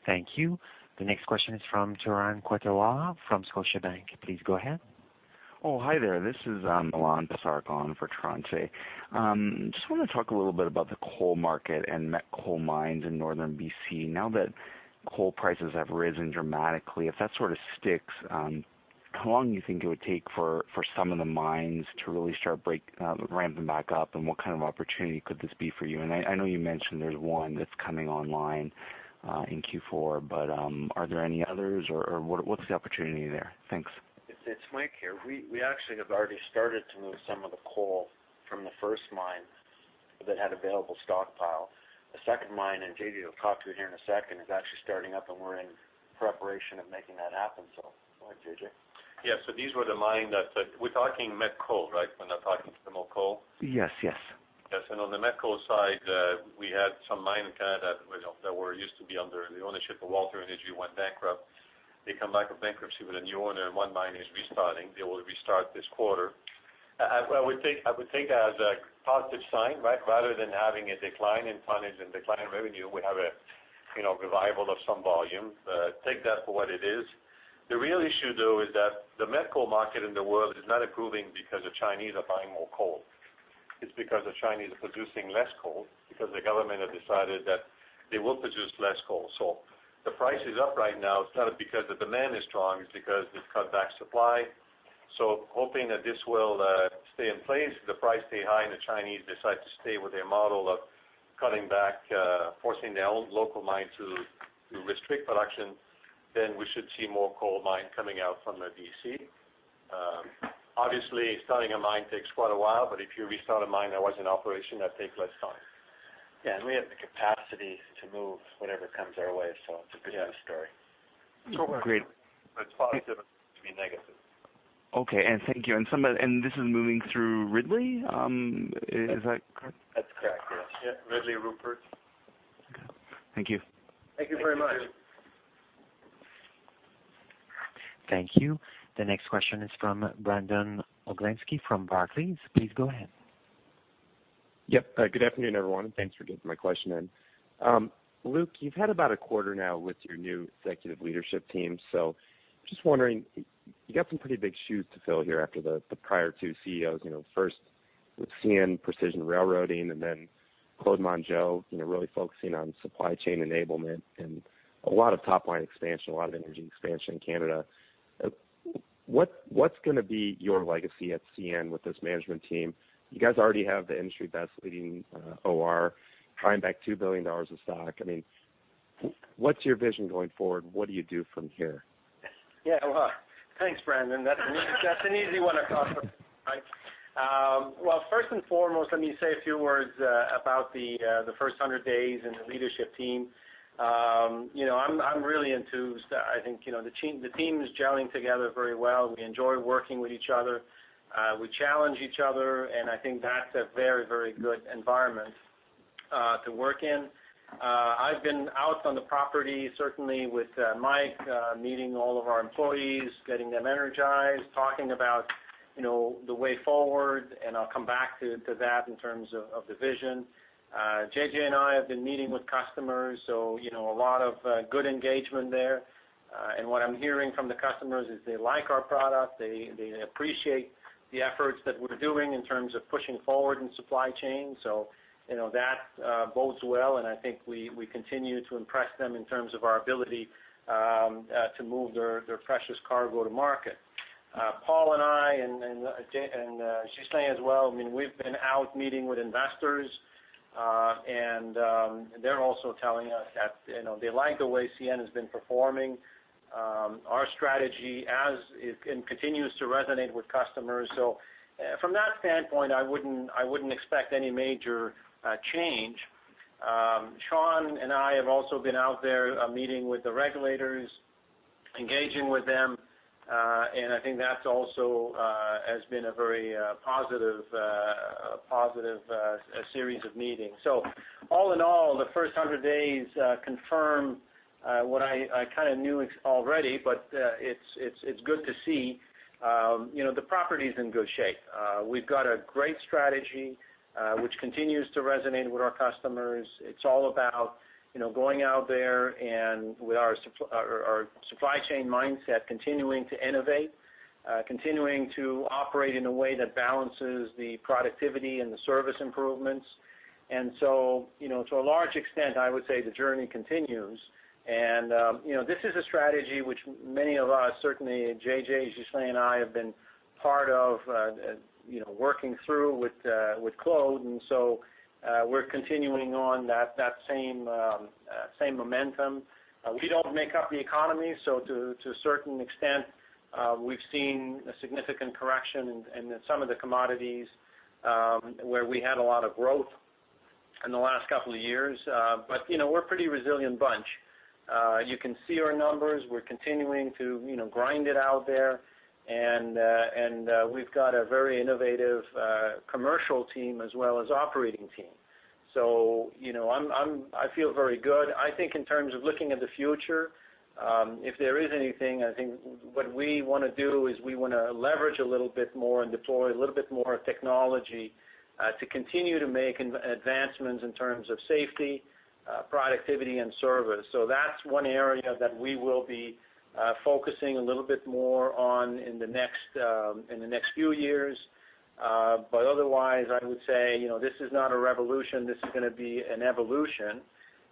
Thank you. The next question is from Turan Quettawala from Scotiabank. Please go ahead. Oh, hi there. This is Milan Basaragon for Turan. Just wanna talk a little bit about the coal market and met coal mines in northern BC. Now that coal prices have risen dramatically, if that sort of sticks, how long do you think it would take for some of the mines to really start break ramping back up, and what kind of opportunity could this be for you? And I know you mentioned there's one that's coming online in Q4, but are there any others, or what's the opportunity there? Thanks.... It's Mike here. We actually have already started to move some of the coal from the first mine that had available stockpile. The second mine, and JJ will talk to you here in a second, is actually starting up, and we're in preparation of making that happen. So go ahead, JJ. Yes, so these were the mine that, we're talking met coal, right? We're not talking thermal coal? Yes, yes. Yes, and on the met coal side, we had some mine in Canada that, you know, that were used to be under the ownership of Walter Energy, went bankrupt. They come back of bankruptcy with a new owner, and one mine is restarting. They will restart this quarter. I, I would take, I would take that as a positive sign, right? Rather than having a decline in tonnage and decline in revenue, we have a, you know, revival of some volume. Take that for what it is. The real issue, though, is that the met coal market in the world is not improving because the Chinese are buying more coal. It's because the Chinese are producing less coal, because the government has decided that they will produce less coal. The price is up right now, it's not because the demand is strong, it's because they've cut back supply. Hoping that this will stay in place, the price stay high, and the Chinese decide to stay with their model of cutting back, forcing their own local mine to restrict production, then we should see more coal mine coming out from the D.C. Obviously, starting a mine takes quite a while, but if you restart a mine that was in operation, that takes less time. Yeah, and we have the capacity to move whatever comes our way, so it's a good story. So great. Great. It's positive to be negative. Okay, thank you. Somebody, and this is moving through Ridley, is that correct? That's correct, yes. Yeah, Ridley Rupert. Okay. Thank you. Thank you very much. Thank you. Thank you. The next question is from Brandon Oglenski from Barclays. Please go ahead. Yep. Good afternoon, everyone, and thanks for taking my question in. Luc, you've had about a quarter now with your new executive leadership team, so just wondering, you got some pretty big shoes to fill here after the prior two CEOs, you know, first with CN Precision Railroading and then Claude Mongeau, you know, really focusing on supply chain enablement and a lot of top-line expansion, a lot of energy expansion in Canada. What, what's gonna be your legacy at CN with this management team? You guys already have the industry best leading OR, buying back 2 billion dollars of stock. I mean, what's your vision going forward? What do you do from here? Yeah, well, thanks, Brandon. That's an easy one to talk about, right? Well, first and foremost, let me say a few words about the first 100 days and the leadership team. You know, I'm really enthused. I think, you know, the team is gelling together very well. We enjoy working with each other, we challenge each other, and I think that's a very, very good environment to work in. I've been out on the property, certainly with Mike, meeting all of our employees, getting them energized, talking about, you know, the way forward, and I'll come back to that in terms of the vision. JJ and I have been meeting with customers, so, you know, a lot of good engagement there. And what I'm hearing from the customers is they like our product, they appreciate the efforts that we're doing in terms of pushing forward in supply chain. So, you know, that bodes well, and I think we continue to impress them in terms of our ability to move their precious cargo to market. Paul and I, and JJ and Ghislain as well, I mean, we've been out meeting with investors, and they're also telling us that, you know, they like the way CN has been performing. Our strategy as it continues to resonate with customers. So, from that standpoint, I wouldn't expect any major change. Sean and I have also been out there, meeting with the regulators, engaging with them, and I think that's also has been a very positive, positive series of meetings. So all in all, the first 100 days confirm what I kind of knew already, but it's good to see. You know, the property's in good shape. We've got a great strategy, which continues to resonate with our customers. It's all about, you know, going out there and with our supply chain mindset, continuing to innovate, continuing to operate in a way that balances the productivity and the service improvements. And so, you know, to a large extent, I would say the journey continues. And, you know, this is a strategy which many of us, certainly JJ, Ghislain, and I have been part of, you know, working through with, with Claude, and so, we're continuing on that, that same, same momentum. We don't make up the economy, so to a certain extent, we've seen a significant correction in, in some of the commodities, where we had a lot of growth in the last couple of years. But, you know, we're a pretty resilient bunch. You can see our numbers. We're continuing to, you know, grind it out there, and, and, we've got a very innovative, commercial team as well as operating team. So, you know, I feel very good. I think in terms of looking at the future, if there is anything, I think what we wanna do is we wanna leverage a little bit more and deploy a little bit more technology to continue to make advancements in terms of safety, productivity, and service. So that's one area that we will be focusing a little bit more on in the next few years. But otherwise, I would say, you know, this is not a revolution. This is gonna be an evolution.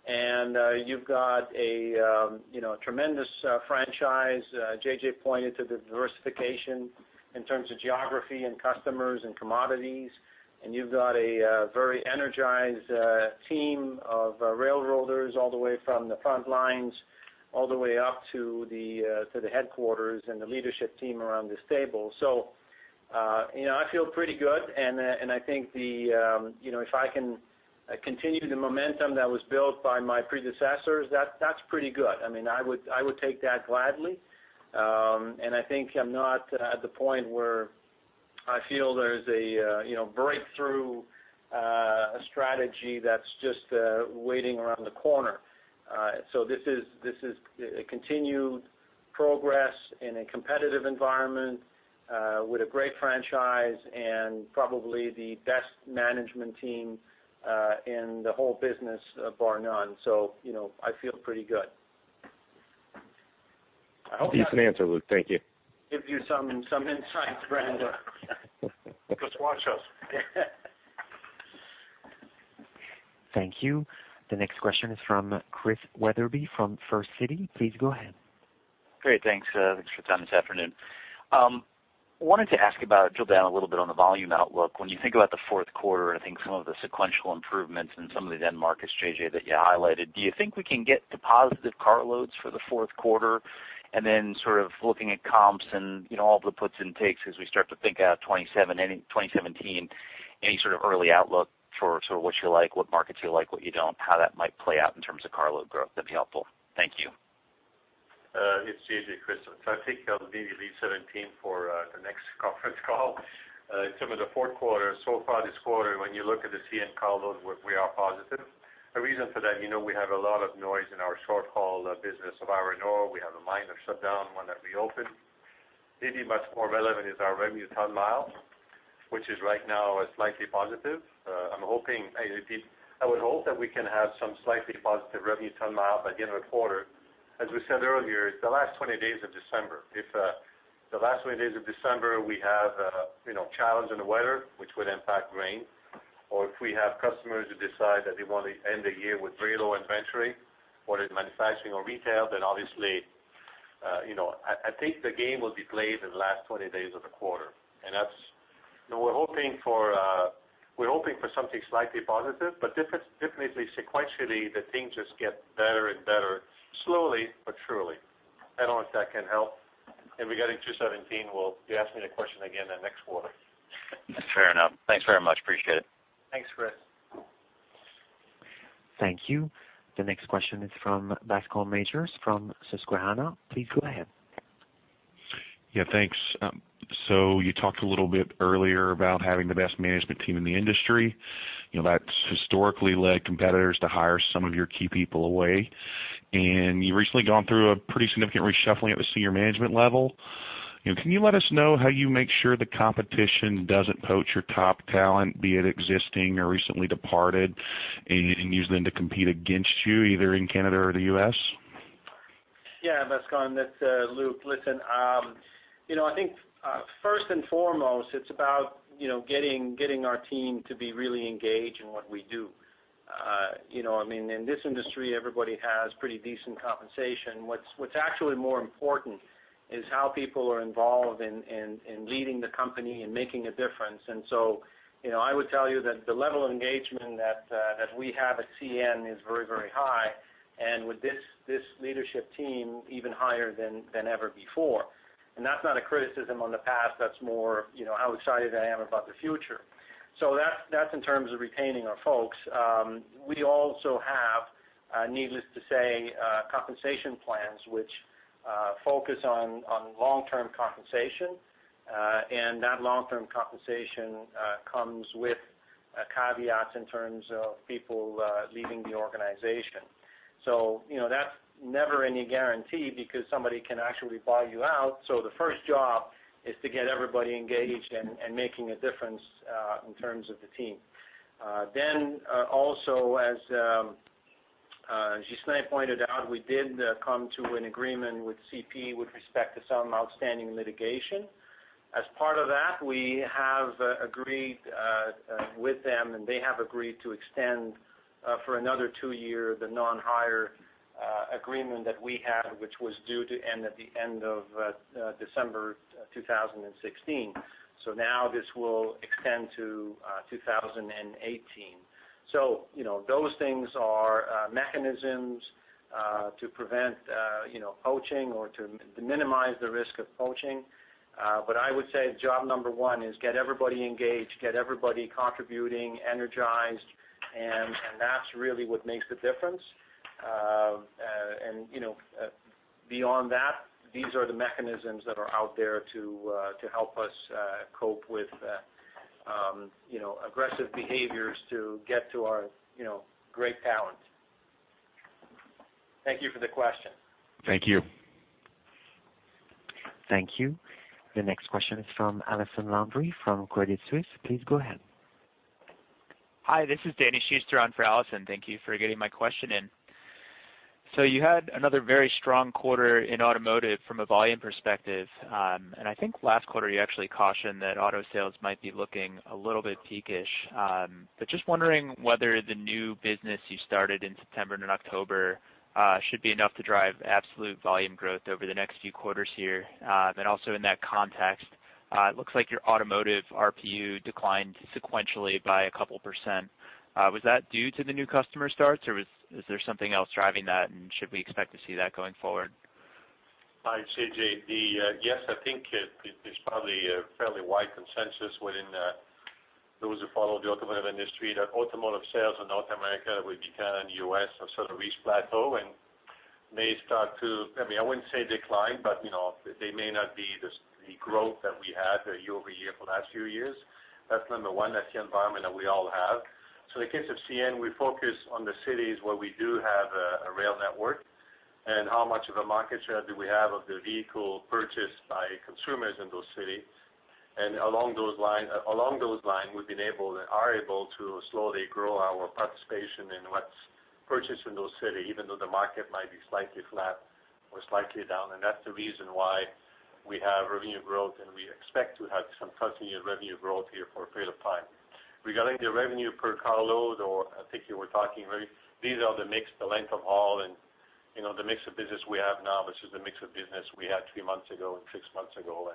And you've got a, you know, a tremendous franchise. JJ pointed to the diversification.... In terms of geography and customers and commodities, and you've got a very energized team of railroaders all the way from the front lines, all the way up to the headquarters and the leadership team around this table. So, you know, I feel pretty good, and I think, you know, if I can continue the momentum that was built by my predecessors, that's pretty good. I mean, I would take that gladly. And I think I'm not at the point where I feel there's a, you know, breakthrough strategy that's just waiting around the corner. So this is a continued progress in a competitive environment with a great franchise and probably the best management team in the whole business, bar none. You know, I feel pretty good. I hope that- Decent answer, Luc. Thank you. Give you some insights, Brandon. Just watch us. Thank you. The next question is from Chris Wetherbee, from Citi. Please go ahead. Great. Thanks, thanks for the time this afternoon. Wanted to ask about, drill down a little bit on the volume outlook. When you think about the fourth quarter, I think some of the sequential improvements in some of the end markets, JJ, that you highlighted, do you think we can get to positive carloads for the fourth quarter? And then sort of looking at comps and, you know, all the puts and takes as we start to think out 2017, any sort of early outlook for sort of what you like, what markets you like, what you don't, how that might play out in terms of carload growth? That'd be helpful. Thank you. It's JJ, Chris. So I think I'll maybe leave 17 for the next conference call. In terms of the fourth quarter, so far this quarter, when you look at the CN carload, we are positive. The reason for that, you know, we have a lot of noise in our short-haul business of iron ore. We have a minor shutdown, one that we opened. Maybe much more relevant is our revenue ton mile, which is right now slightly positive. I'm hoping, I would hope that we can have some slightly positive revenue ton mile by the end of the quarter. As we said earlier, it's the last 20 days of December. If the last 20 days of December, we have, you know, challenges in the weather, which would impact volumes, or if we have customers who decide that they want to end the year with very low inventory, whether it's manufacturing or retail, then obviously, you know, I, I think the game will be played in the last 20 days of the quarter. And that's... We're hoping for, we're hoping for something slightly positive, but definitely, sequentially, the things just get better and better, slowly but surely. I don't know if that can help. Regarding 2017, well, you ask me the question again in next quarter. Fair enough. Thanks very much. Appreciate it. Thanks, Chris. Thank you. The next question is from Bascom Majors from Susquehanna. Please go ahead. Yeah, thanks. So you talked a little bit earlier about having the best management team in the industry. You know, that's historically led competitors to hire some of your key people away, and you've recently gone through a pretty significant reshuffling at the senior management level. You know, can you let us know how you make sure the competition doesn't poach your top talent, be it existing or recently departed, and use them to compete against you, either in Canada or the U.S.? Yeah, Bascom, it's Luc. Listen, you know, I think first and foremost, it's about, you know, getting our team to be really engaged in what we do. You know, I mean, in this industry, everybody has pretty decent compensation. What's actually more important is how people are involved in leading the company and making a difference. And so, you know, I would tell you that the level of engagement that we have at CN is very, very high, and with this leadership team, even higher than ever before. And that's not a criticism on the past, that's more, you know, how excited I am about the future. So that's in terms of retaining our folks. We also have, needless to say, compensation plans, which focus on long-term compensation, and that long-term compensation comes with caveats in terms of people leaving the organization. So, you know, that's never any guarantee because somebody can actually buy you out. So the first job is to get everybody engaged and making a difference in terms of the team. Then, also, as Gisèle pointed out, we did come to an agreement with CP with respect to some outstanding litigation. As part of that, we have agreed with them, and they have agreed to extend for another two-year the non-hire agreement that we had, which was due to end at the end of December 2016. So now this will extend to 2018. So, you know, those things are mechanisms to prevent, you know, poaching or to minimize the risk of poaching. But I would say job number one is get everybody engaged, get everybody contributing, energized, and, and that's really what makes the difference. And, you know, beyond that, these are the mechanisms that are out there to to help us cope with, you know, aggressive behaviors to get to our, you know, great talent. Thank you for the question. Thank you. Thank you. The next question is from Allison Landry from Credit Suisse. Please go ahead. Hi, this is Danny Schuster on for Allison. Thank you for getting my question in. So you had another very strong quarter in automotive from a volume perspective, and I think last quarter, you actually cautioned that auto sales might be looking a little bit peak-ish. But just wondering whether the new business you started in September and October should be enough to drive absolute volume growth over the next few quarters here. Then also in that context-... It looks like your automotive RPU declined sequentially by a couple%. Was that due to the new customer starts, or is there something else driving that? And should we expect to see that going forward? Hi, Danny. Yes, I think it's probably a fairly wide consensus within those who follow the automotive industry, that automotive sales in North America, with Canada and U.S., have sort of reached plateau and may start to, I mean, I wouldn't say decline, but, you know, they may not be the growth that we had year-over-year for the last few years. That's one. That's the environment that we all have. So in the case of CN, we focus on the cities where we do have a rail network, and how much of a market share do we have of the vehicle purchased by consumers in those cities. And along those lines, along those lines, we've been able and are able to slowly grow our participation in what's purchased in those city, even though the market might be slightly flat or slightly down. That's the reason why we have revenue growth, and we expect to have some continued revenue growth here for a period of time. Regarding the revenue per carload, or I think you were talking, these are the mix, the length of haul, and, you know, the mix of business we have now, versus the mix of business we had three months ago and six months ago.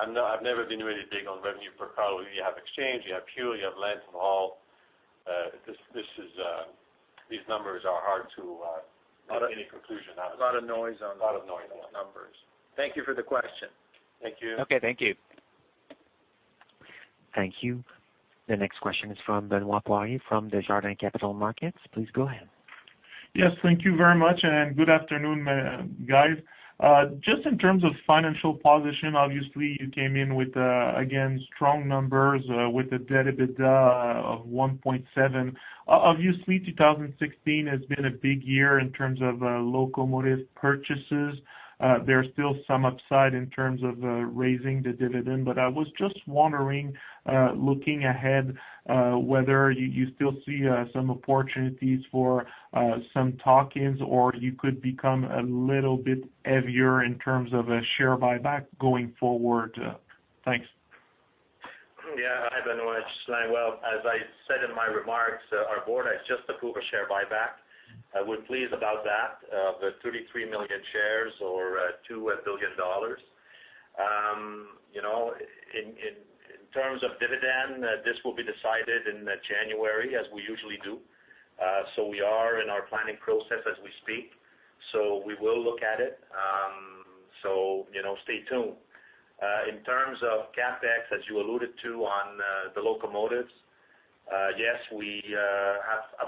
I've never been really big on revenue per carload. You have exchange, you have fuel, you have length of haul. This is; these numbers are hard to draw any conclusion out of. A lot of noise on those- A lot of noise. numbers. Thank you for the question. Thank you. Okay, thank you. Thank you. The next question is from Benoit Poiré, from Desjardins Capital Markets. Please go ahead. Yes, thank you very much, and good afternoon, guys. Just in terms of financial position, obviously, you came in with, again, strong numbers, with the EBITDA of 1.7. Obviously, 2016 has been a big year in terms of locomotive purchases. There are still some upside in terms of raising the dividend. But I was just wondering, looking ahead, whether you still see some opportunities for some tuck-ins, or you could become a little bit heavier in terms of a share buyback going forward? Thanks. Yeah. Hi, Benoit. Well, as I said in my remarks, our board has just approved a share buyback. I'm pleased about that, of 33 million shares or 2 billion dollars. You know, in terms of dividend, this will be decided in January, as we usually do. So we are in our planning process as we speak, so we will look at it. So, you know, stay tuned. In terms of CapEx, as you alluded to on the locomotives, yes, we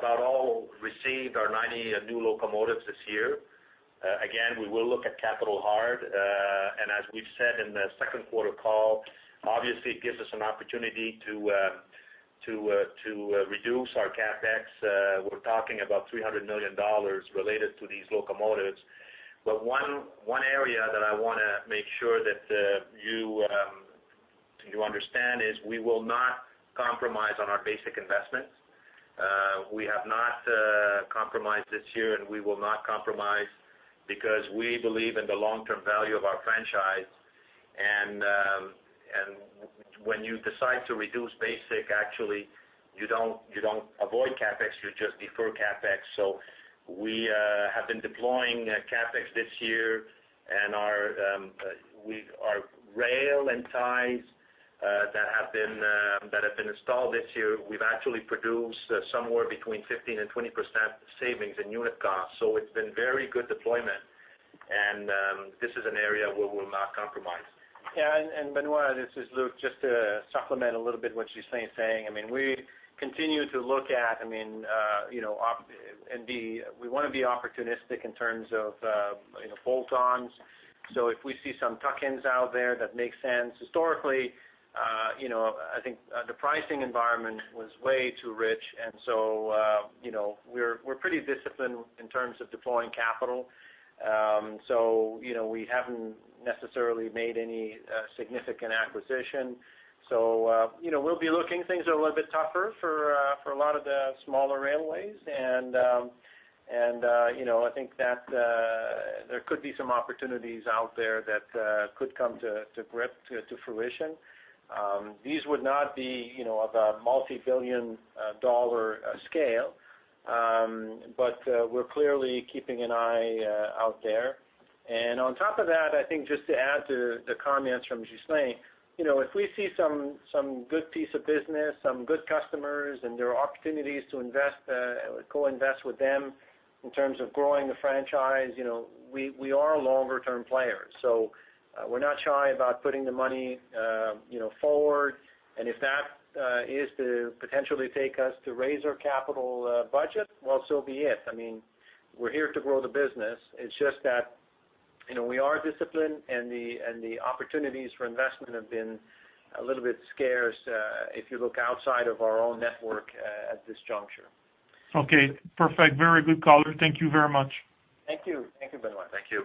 have all received our 90 new locomotives this year. Again, we will look at CapEx hard, and as we've said in the second quarter call, obviously, it gives us an opportunity to reduce our CapEx. We're talking about 300 million dollars related to these locomotives. But one area that I wanna make sure that you understand is, we will not compromise on our basic investments. We have not compromised this year, and we will not compromise because we believe in the long-term value of our franchise. And when you decide to reduce basic, actually, you don't, you don't avoid CapEx, you just defer CapEx. So we have been deploying CapEx this year, and our rail and ties that have been installed this year, we've actually produced somewhere between 15%-20% savings in unit costs. So it's been very good deployment, and this is an area where we'll not compromise. Yeah, and Benoit, this is Luc. Just to supplement a little bit what Ghislain is saying, I mean, we continue to look at, I mean, you know, we wanna be opportunistic in terms of, you know, bolt-ons. So if we see some tuck-ins out there, that makes sense. Historically, you know, I think, the pricing environment was way too rich, and so, you know, we're pretty disciplined in terms of deploying capital. So, you know, we haven't necessarily made any significant acquisition. So, you know, we'll be looking. Things are a little bit tougher for, for a lot of the smaller railways. And, you know, I think that, there could be some opportunities out there that could come to fruition. These would not be, you know, of a multi-billion-dollar scale. But we're clearly keeping an eye out there. And on top of that, I think just to add to the comments from Ghislain, you know, if we see some good piece of business, some good customers, and there are opportunities to co-invest with them in terms of growing the franchise, you know, we are a longer-term player. So we're not shy about putting the money, you know, forward, and if that is to potentially take us to raise our capital budget, well, so be it. I mean, we're here to grow the business. It's just that, you know, we are disciplined, and the opportunities for investment have been a little bit scarce, if you look outside of our own network, at this juncture. Okay, perfect. Very good call. Thank you very much. Thank you. Thank you, Benoit. Thank you.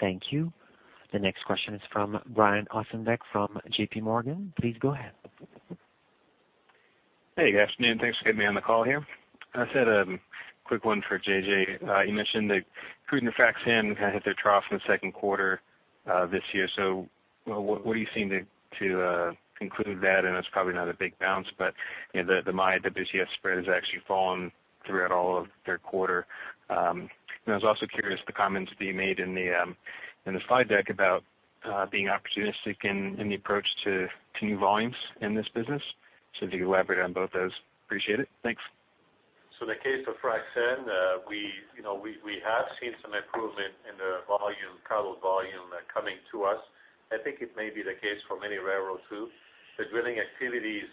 Thank you. The next question is from Brian Ossenbeck, from JP Morgan. Please go ahead. Hey, good afternoon. Thanks for getting me on the call here. I just had a quick one for JJ. You mentioned that crude and frac sand kind of hit their trough in the second quarter this year. So what do you seem to conclude that? And it's probably not a big bounce, but, you know, the, the my, the busiest spread has actually fallen throughout all of their quarter. And I was also curious, the comments being made in the, in the slide deck about, being opportunistic in, in the approach to new volumes in this business.... If you could elaborate on both those. Appreciate it. Thanks. So the case of frac sand, we, you know, we have seen some improvement in the volume, cargo volume coming to us. I think it may be the case for many railroads, too. The drilling activities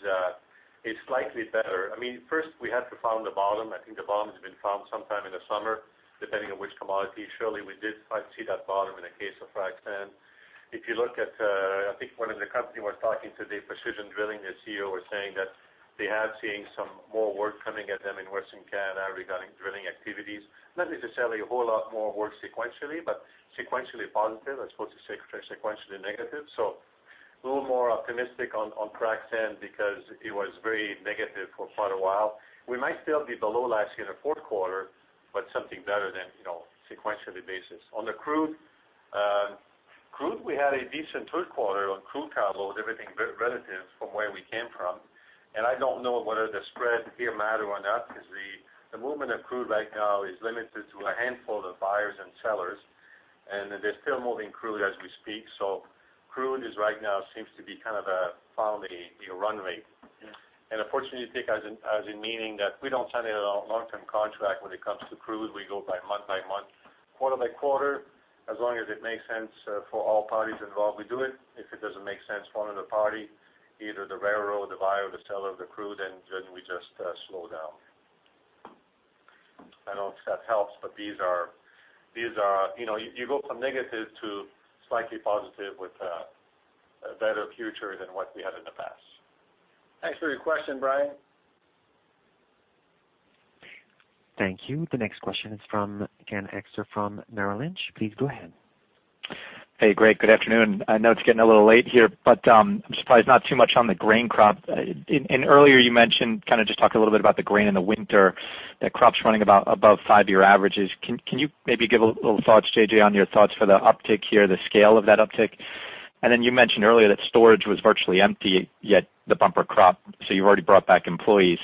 is slightly better. I mean, first, we have to find the bottom. I think the bottom has been found sometime in the summer, depending on which commodity. Surely, we did, I see that bottom in the case of frac sand. If you look at, I think one of the company was talking today, Precision Drilling, their CEO was saying that they have seen some more work coming at them in Western Canada regarding drilling activities. Not necessarily a whole lot more work sequentially, but sequentially positive, as opposed to sequentially negative. So a little more optimistic on frac sand because it was very negative for quite a while. We might still be below last year in the fourth quarter, but something better than, you know, sequential basis. On the crude, crude, we had a decent third quarter on crude cargo, with everything relative from where we came from. And I don't know whether the spreads here matter or not, because the movement of crude right now is limited to a handful of buyers and sellers, and they're still moving crude as we speak. So crude is right now, seems to be kind of following a run rate. And unfortunately, take as in, as in meaning that we don't sign any long-term contract when it comes to crude. We go by month by month, quarter by quarter. As long as it makes sense for all parties involved, we do it. If it doesn't make sense for one of the party, either the railroad, the buyer, or the seller of the crude, then, then we just slow down. I don't know if that helps, but these are, these are, you know... You go from negative to slightly positive with a, a better future than what we had in the past. Thanks for your question, Brian. Thank you. The next question is from Ken Hoexter from Merrill Lynch. Please go ahead. Hey, great. Good afternoon. I know it's getting a little late here, but I'm surprised not too much on the grain crop. And earlier, you mentioned, kind of just talked a little bit about the grain in the winter, that crops running about above five-year averages. Can you maybe give a little thoughts, JJ, on your thoughts for the uptick here, the scale of that uptick? And then you mentioned earlier that storage was virtually empty, yet the bumper crop, so you've already brought back employees.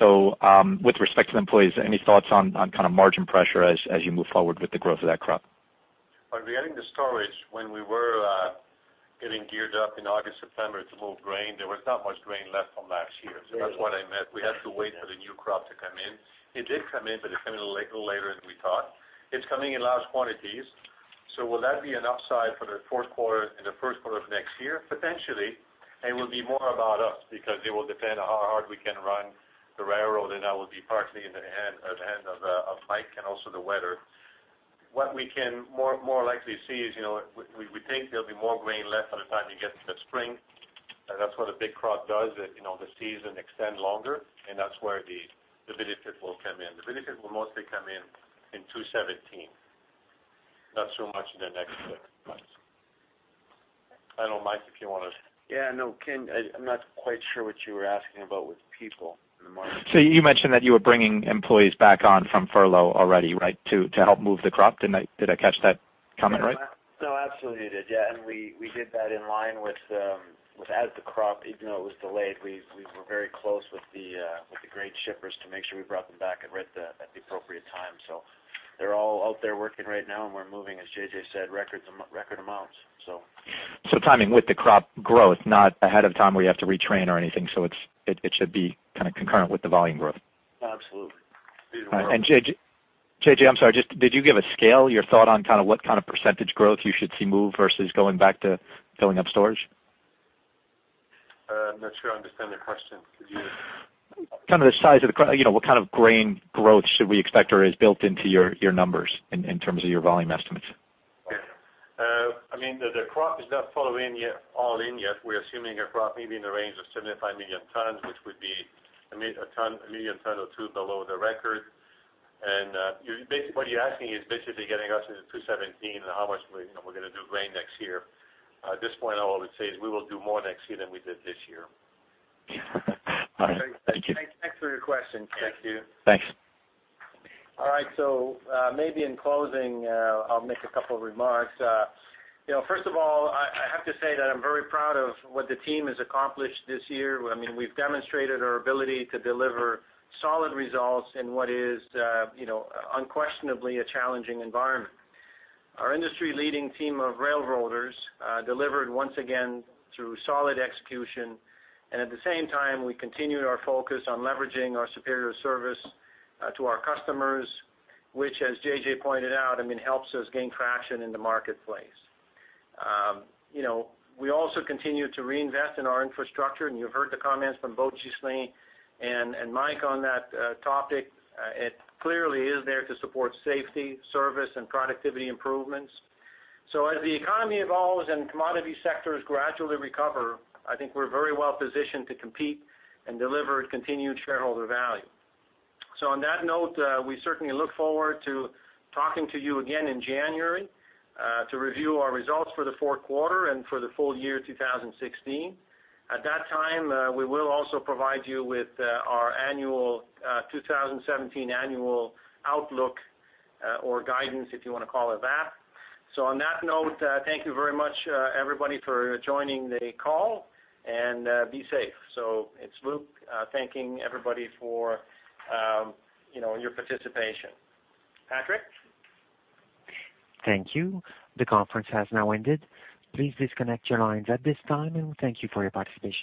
So, with respect to the employees, any thoughts on kind of margin pressure as you move forward with the growth of that crop? Regarding the storage, when we were getting geared up in August, September to move grain, there was not much grain left from last year. So that's what I meant. We had to wait for the new crop to come in. It did come in, but it came in a little, little later than we thought. It's coming in large quantities, so will that be an upside for the fourth quarter and the first quarter of next year? Potentially, it will be more about us because it will depend on how hard we can run the railroad, and that will be partly in the hand, in the hand of Mike, and also the weather. What we can more, more likely see is, you know, we, we think there'll be more grain left by the time you get to the spring. That's what a big crop does it, you know, the season extend longer, and that's where the, the benefit will come in. The benefit will mostly come in, in 2017, not so much in the next six months. I don't know, Mike, if you want to- Yeah, no, Ken, I, I'm not quite sure what you were asking about with people in the market. So you mentioned that you were bringing employees back on from furlough already, right? To, to help move the crop. Did I, did I catch that comment right? No, absolutely, you did. Yeah, and we, we did that in line with, as the crop, even though it was delayed, we, we were very close with the grain shippers to make sure we brought them back at the appropriate time. So they're all out there working right now, and we're moving, as JJ said, record amounts, so. So timing with the crop growth, not ahead of time, where you have to retrain or anything, so it's, it should be kind of concurrent with the volume growth. Absolutely. JJ, JJ, I'm sorry, just did you give a scale, your thought on kind of what kind of percentage growth you should see move versus going back to filling up storage? I'm not sure I understand the question. Could you- Kind of the size of the crop. You know, what kind of grain growth should we expect or is built into your, your numbers in, in terms of your volume estimates? I mean, the crop is not all in yet. We're assuming a crop maybe in the range of 75 million tons, which would be a million ton or two below the record. What you're asking is basically getting us into 2017, and how much we, you know, we're going to do grain next year. At this point, all I would say is we will do more next year than we did this year. All right. Thank you. Thanks for your questions. Thank you. Thanks. All right, so, maybe in closing, I'll make a couple of remarks. You know, first of all, I have to say that I'm very proud of what the team has accomplished this year. I mean, we've demonstrated our ability to deliver solid results in what is, you know, unquestionably a challenging environment. Our industry-leading team of railroaders delivered once again through solid execution, and at the same time, we continued our focus on leveraging our superior service to our customers, which, as JJ pointed out, I mean, helps us gain traction in the marketplace. You know, we also continue to reinvest in our infrastructure, and you've heard the comments from both Ghislain and Mike on that topic. It clearly is there to support safety, service, and productivity improvements. So as the economy evolves and commodity sectors gradually recover, I think we're very well positioned to compete and deliver continued shareholder value. So on that note, we certainly look forward to talking to you again in January to review our results for the fourth quarter and for the full year, 2016. At that time, we will also provide you with our annual 2017 annual outlook or guidance, if you want to call it that. So on that note, thank you very much, everybody, for joining the call, and be safe. So it's Luc thanking everybody for, you know, your participation. Patrick? Thank you. The conference has now ended. Please disconnect your lines at this time, and thank you for your participation.